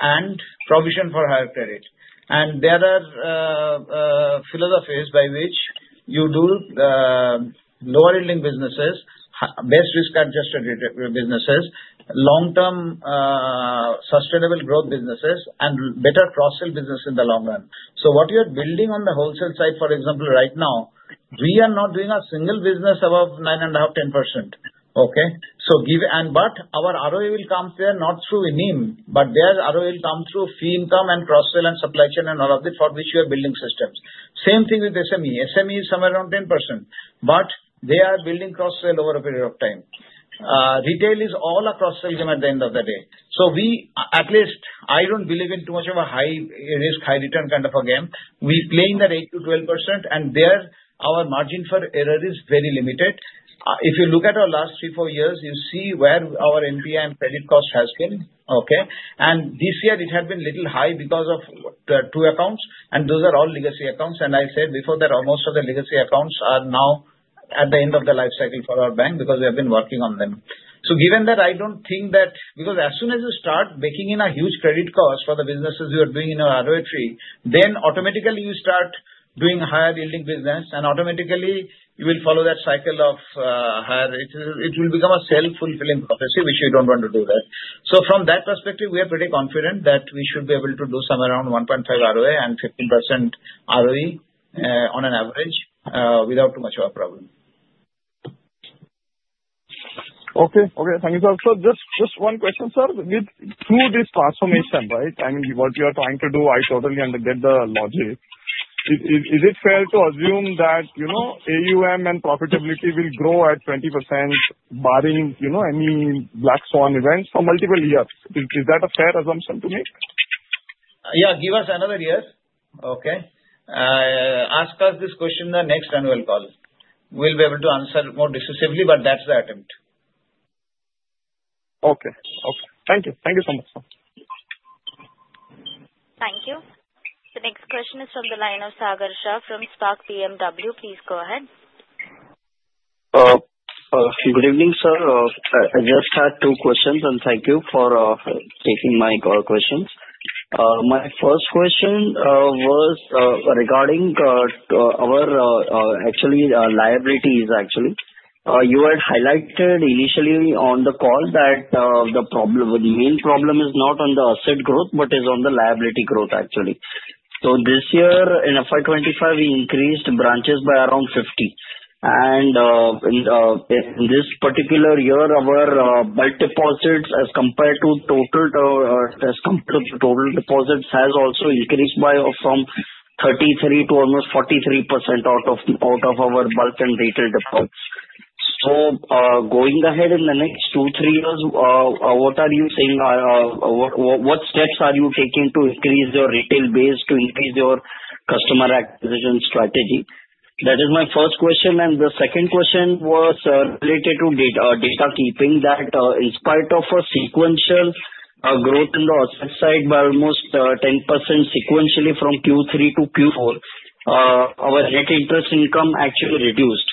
and provision for higher credit. There are philosophies by which you do lower-yielding businesses, best risk-adjusted businesses, long-term sustainable growth businesses, and better cross-sale businesses in the long run. What you are building on the wholesale side, for example, right now, we are not doing a single business above 9.5-10%. Okay? Our ROE will come there not through NIM, but their ROE will come through fee income and cross-sale and supply chain and all of this for which you are building systems. Same thing with SME. SME is somewhere around 10%, but they are building cross-sale over a period of time. Retail is all a cross-sale game at the end of the day. We, at least, I don't believe in too much of a high-risk, high-return kind of a game. We play in that 8-12% and there our margin for error is very limited. If you look at our last three, four years, you see where our NPA and credit cost has been. This year, it has been a little high because of two accounts, and those are all legacy accounts. I said before that most of the legacy accounts are now at the end of the life cycle for our bank because we have been working on them. Given that, I do not think that because as soon as you start baking in a huge credit cost for the businesses you are doing in your ROA tree, then automatically you start doing higher-yielding business, and automatically you will follow that cycle of higher. It will become a self-fulfilling prophecy, which you do not want to do that. From that perspective, we are pretty confident that we should be able to do somewhere around 1.5% ROA and 15% ROE on an average without too much of a problem. Okay. Okay. Thank you, sir. Just one question, sir. With this transformation, right? I mean, what you are trying to do, I totally understand the logic. Is it fair to assume that AUM and profitability will grow at 20% barring any black swan events for multiple years? Is that a fair assumption to make? Yeah. Give us another year. Okay? Ask us this question next, and we'll call. We'll be able to answer more decisively, but that's the attempt. Okay. Okay. Thank you. Thank you so much, sir. Thank you. The next question is from the line of Sagar Shah from Spark Capital. Please go ahead. Good evening, sir. I just had two questions, and thank you for taking my questions. My first question was regarding our actually liabilities, actually. You had highlighted initially on the call that the main problem is not on the asset growth, but is on the liability growth, actually. This year in FY 2025, we increased branches by around 50. In this particular year, our bulk deposits as compared to total deposits has also increased from 33% to almost 43% out of our bulk and retail deposits. Going ahead in the next two, three years, what are you saying? What steps are you taking to increase your retail base to increase your customer acquisition strategy? That is my first question. The second question was related to data keeping that in spite of a sequential growth on the asset side by almost 10% sequentially from Q3 to Q4, our net interest income actually reduced.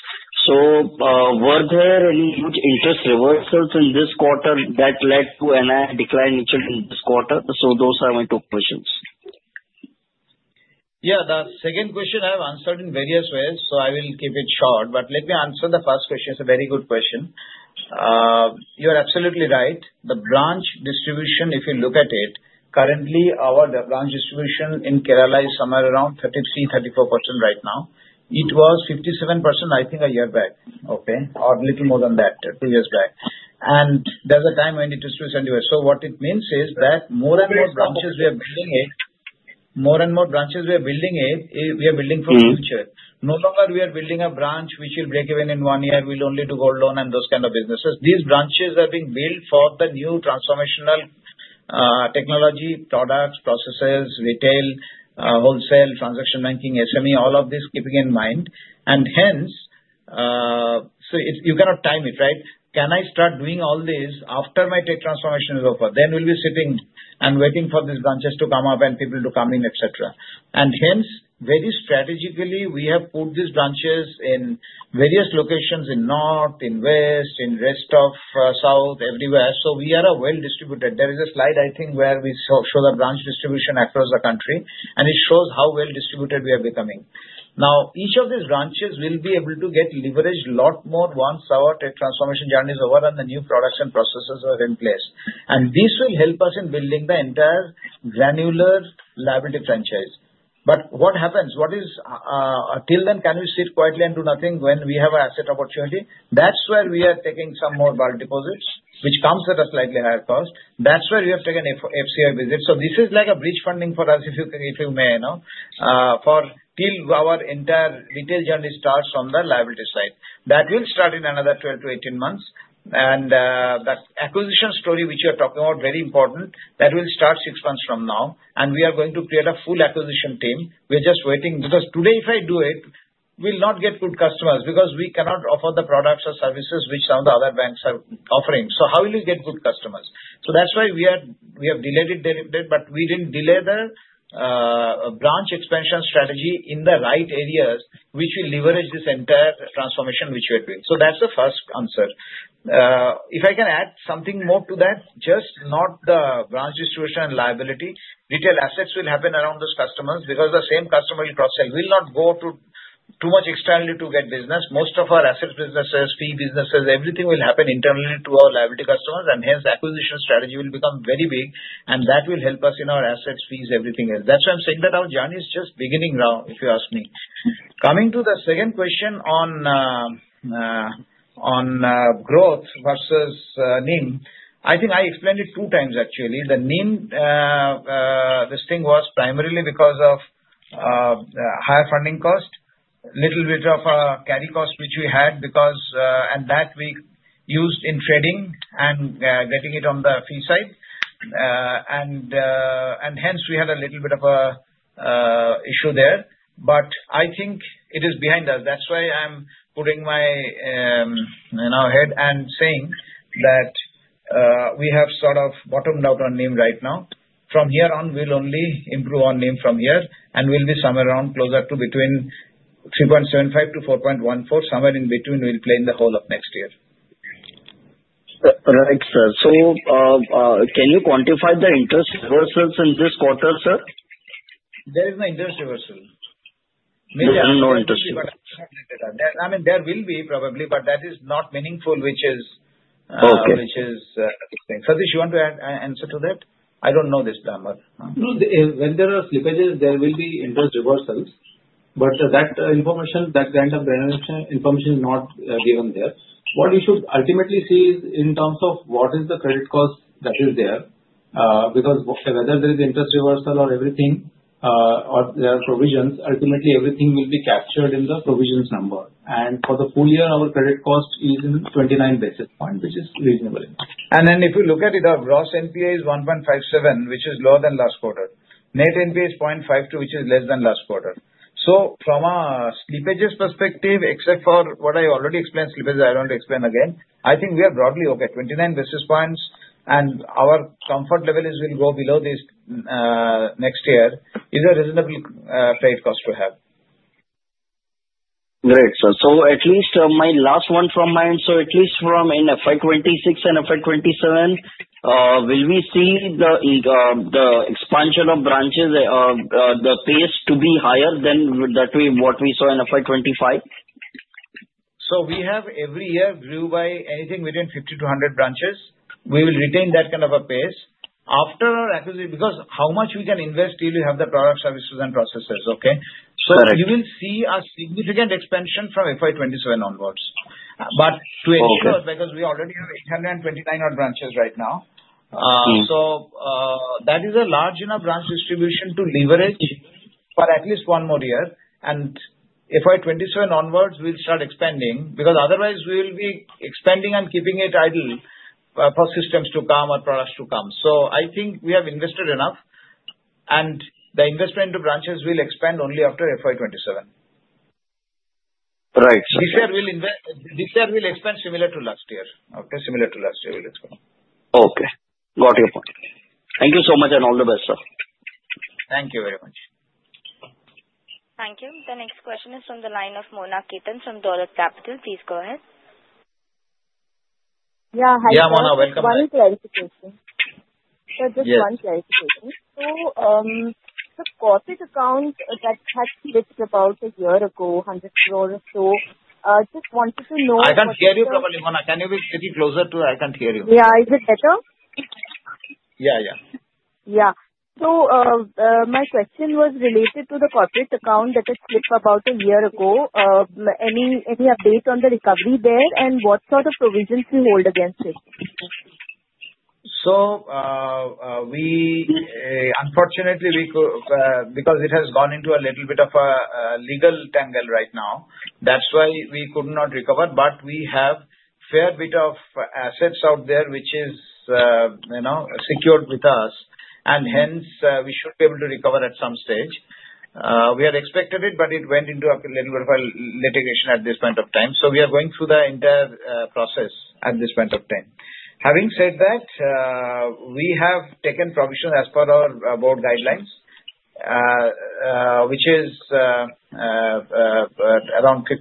Were there any huge interest reversals in this quarter that led to a decline in this quarter? Those are my two questions. Yeah. The second question I have answered in various ways, so I will keep it short. Let me answer the first question. It's a very good question. You are absolutely right. The branch distribution, if you look at it, currently our branch distribution in Kerala is somewhere around 33-34% right now. It was 57% a year back, or a little more than that, two years back. There was a time when it is too sandwich. What it means is that more and more branches we are building, we are building for the future. No longer are we building a branch which will break even in one year; we will only do gold loan and those kind of businesses. These branches are being built for the new transformational technology products, processes, retail, wholesale, transaction banking, SME, all of this keeping in mind. You cannot time it, right? Can I start doing all this after my tech transformation is over? We would be sitting and waiting for these branches to come up and people to come in, etc. Very strategically, we have put these branches in various locations in north, in west, in rest of south, everywhere. We are well distributed. There is a slide, I think, where we show the branch distribution across the country, and it shows how well distributed we are becoming. Now, each of these branches will be able to get leveraged a lot more once our transformation journey is over and the new products and processes are in place. This will help us in building the entire granular liability franchise. What happens? What is till then, can we sit quietly and do nothing when we have an asset opportunity? That is where we are taking some more bulk deposits, which comes at a slightly higher cost. That is where we have taken FCI visits. This is like a bridge funding for us, if you may, for till our entire retail journey starts from the liability side. That will start in another 12-18 months. The acquisition story, which you are talking about, very important, that will start six months from now. We are going to create a full acquisition team. We are just waiting because today, if I do it, we will not get good customers because we cannot offer the products or services which some of the other banks are offering. How will you get good customers? That is why we have delayed it a little bit, but we did not delay the branch expansion strategy in the right areas, which will leverage this entire transformation which we are doing. That is the first answer. If I can add something more to that, just not the branch distribution and liability, retail assets will happen around those customers because the same customer will cross-sell. We will not go too much externally to get business. Most of our asset businesses, fee businesses, everything will happen internally to our liability customers, and hence, acquisition strategy will become very big, and that will help us in our assets, fees, everything else. That is why I am saying that our journey is just beginning now, if you ask me. Coming to the second question on growth versus NIM, I think I explained it two times, actually. The NIM, this thing was primarily because of higher funding cost, a little bit of a carry cost which we had because and that we used in trading and getting it on the fee side. Hence, we had a little bit of an issue there. I think it is behind us. That's why I'm putting my head and saying that we have sort of bottomed out on NIM right now. From here on, we'll only improve on NIM from here, and we'll be somewhere around closer to between 3.75-4.14, somewhere in between we'll play in the whole of next year. Right, sir. Can you quantify the interest reversals in this quarter, sir? There is no interest reversal. There's no interest reversal. I mean, there will be probably, but that is not meaningful, which is a good thing. Satish, you want to add answer to that? I do not know this number. No, when there are slippages, there will be interest reversals. That information, that kind of beneficial information is not given there. What we should ultimately see is in terms of what is the credit cost that is there because whether there is interest reversal or everything or there are provisions, ultimately everything will be captured in the provisions number. For the full year, our credit cost is in 29 basis points, which is reasonable. If you look at it, our gross NPA is 1.57, which is lower than last quarter. Net NPA is 0.52, which is less than last quarter. From a slippages perspective, except for what I already explained, slippages, I do not explain again, I think we are broadly okay. 29 basis points, and our comfort level will go below this next year is a reasonable trade cost to have. Great, sir. At least my last one from my end, at least from FY 2026 and FY 2027, will we see the expansion of branches, the pace to be higher than what we saw in FY 2025? We have every year grew by anything within 50-100 branches. We will retain that kind of a pace after our acquisition because how much we can invest till we have the products, services, and processes, okay? You will see a significant expansion from FY 2027 onwards. To ensure, because we already have 829 branches right now, that is a large enough branch distribution to leverage for at least one more year. FY 2027 onwards, we will start expanding because otherwise, we will be expanding and keeping it idle for systems to come or products to come. I think we have invested enough, and the investment into branches will expand only after FY 2027. Right. This year we'll expand similar to last year. Similar to last year, we'll expand. Okay. Got your point. Thank you so much and all the best, sir. Thank you very much. Thank you. The next question is from the line of Mona Khetan from Dolat Capital. Please go ahead. Yeah, Mona, welcome. Just one clarification. The corporate account that had slipped about a year ago, 100 crore or so, just wanted to know. I can't hear you properly, Mona. Can you be sitting closer to—I can't hear you. Yeah. Is it better? Yeah, yeah. Yeah. My question was related to the corporate account that had slipped about a year ago. Any update on the recovery there, and what sort of provisions do you hold against it? Unfortunately, because it has gone into a little bit of a legal tangle right now, that's why we could not recover. We have a fair bit of assets out there which is secured with us, and hence, we should be able to recover at some stage. We had expected it, but it went into a little bit of a litigation at this point of time. We are going through the entire process at this point of time. Having said that, we have taken provision as per our board guidelines, which is around 50%.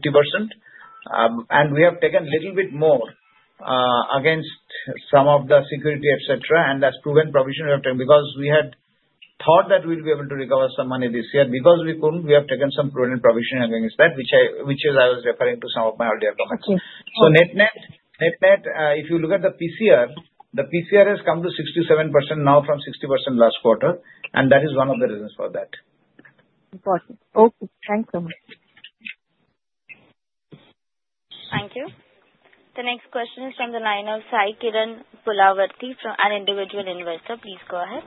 We have taken a little bit more against some of the security, etc., and that's proven provision we have taken because we had thought that we would be able to recover some money this year. Because we couldn't, we have taken some proven provision against that, which is I was referring to some of my earlier comments. Net net, if you look at the PCR, the PCR has come to 67% now from 60% last quarter, and that is one of the reasons for that. Important. Okay. Thanks so much. Thank you. The next question is from the line of Sai Kiran Pulawati from an individual investor. Please go ahead.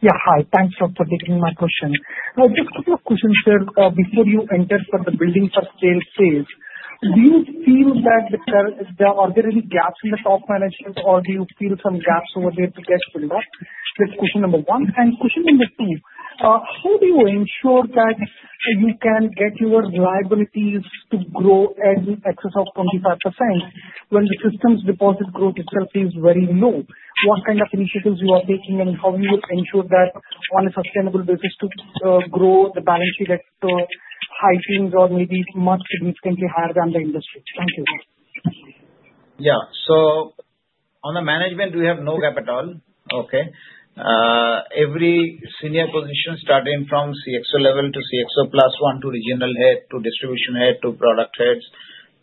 Yeah. Hi. Thanks for taking my question. Just a few questions, sir. Before you entered for the building for sale phase, do you feel that there are any gaps in the top management, or do you feel some gaps over there to get filled up? That's question number one. Question number two, how do you ensure that you can get your liabilities to grow at an excess of 25% when the system's deposit growth itself is very low? What kind of initiatives you are taking, and how do you ensure that on a sustainable basis to grow the balance sheet at high things or maybe much significantly higher than the industry? Thank you. Yeah. On the management, we have no gap at all, okay? Every senior position starting from CXO level to CXO plus one to regional head to distribution head to product heads.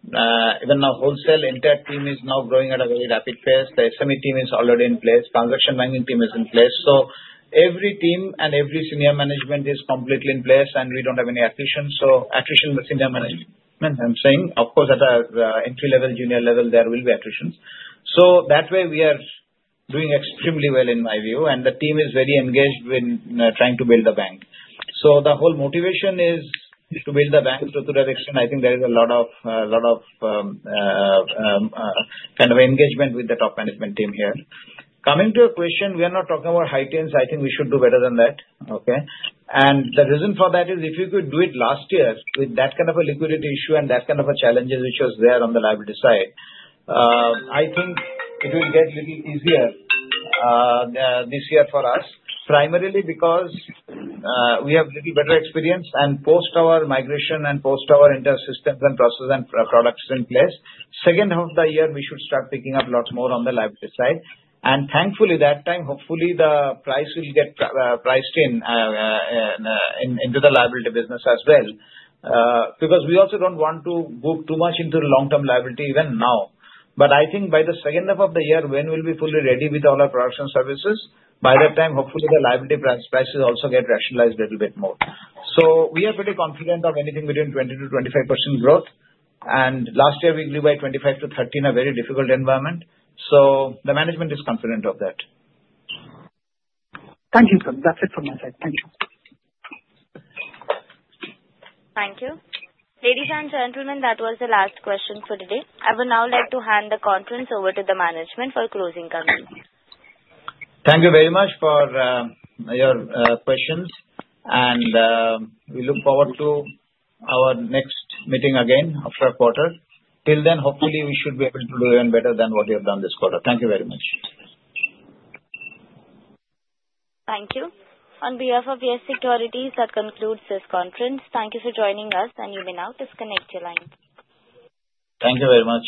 Even our wholesale entire team is now growing at a very rapid pace. The SME team is already in place. Transaction banking team is in place. Every team and every senior management is completely in place, and we do not have any attrition. Attrition with senior management, I am saying, of course, at an entry-level, junior level, there will be attritions. That way, we are doing extremely well in my view, and the team is very engaged in trying to build the bank. The whole motivation is to build the bank to a direct extent. I think there is a lot of kind of engagement with the top management team here. Coming to your question, we are not talking about high teens. I think we should do better than that, okay? The reason for that is if you could do it last year with that kind of a liquidity issue and that kind of a challenge which was there on the liability side, I think it will get a little easier this year for us, primarily because we have a little better experience and post our migration and post our entire systems and processes and products in place. Second half of the year, we should start picking up lots more on the liability side. Thankfully, that time, hopefully, the price will get priced in into the liability business as well because we also do not want to go too much into the long-term liability even now. I think by the second half of the year, when we'll be fully ready with all our products and services, by that time, hopefully, the liability prices also get rationalized a little bit more. We are pretty confident of anything between 20-25% growth. Last year, we grew by 25-30% in a very difficult environment. The management is confident of that. Thank you, sir. That's it from my side. Thank you. Thank you. Ladies and gentlemen, that was the last question for today. I would now like to hand the conference over to the management for closing comments. Thank you very much for your questions, and we look forward to our next meeting again after a quarter. Till then, hopefully, we should be able to do even better than what we have done this quarter. Thank you very much. Thank you. On behalf of Yes Securities, that concludes this conference. Thank you for joining us, and you may now disconnect your line. Thank you very much.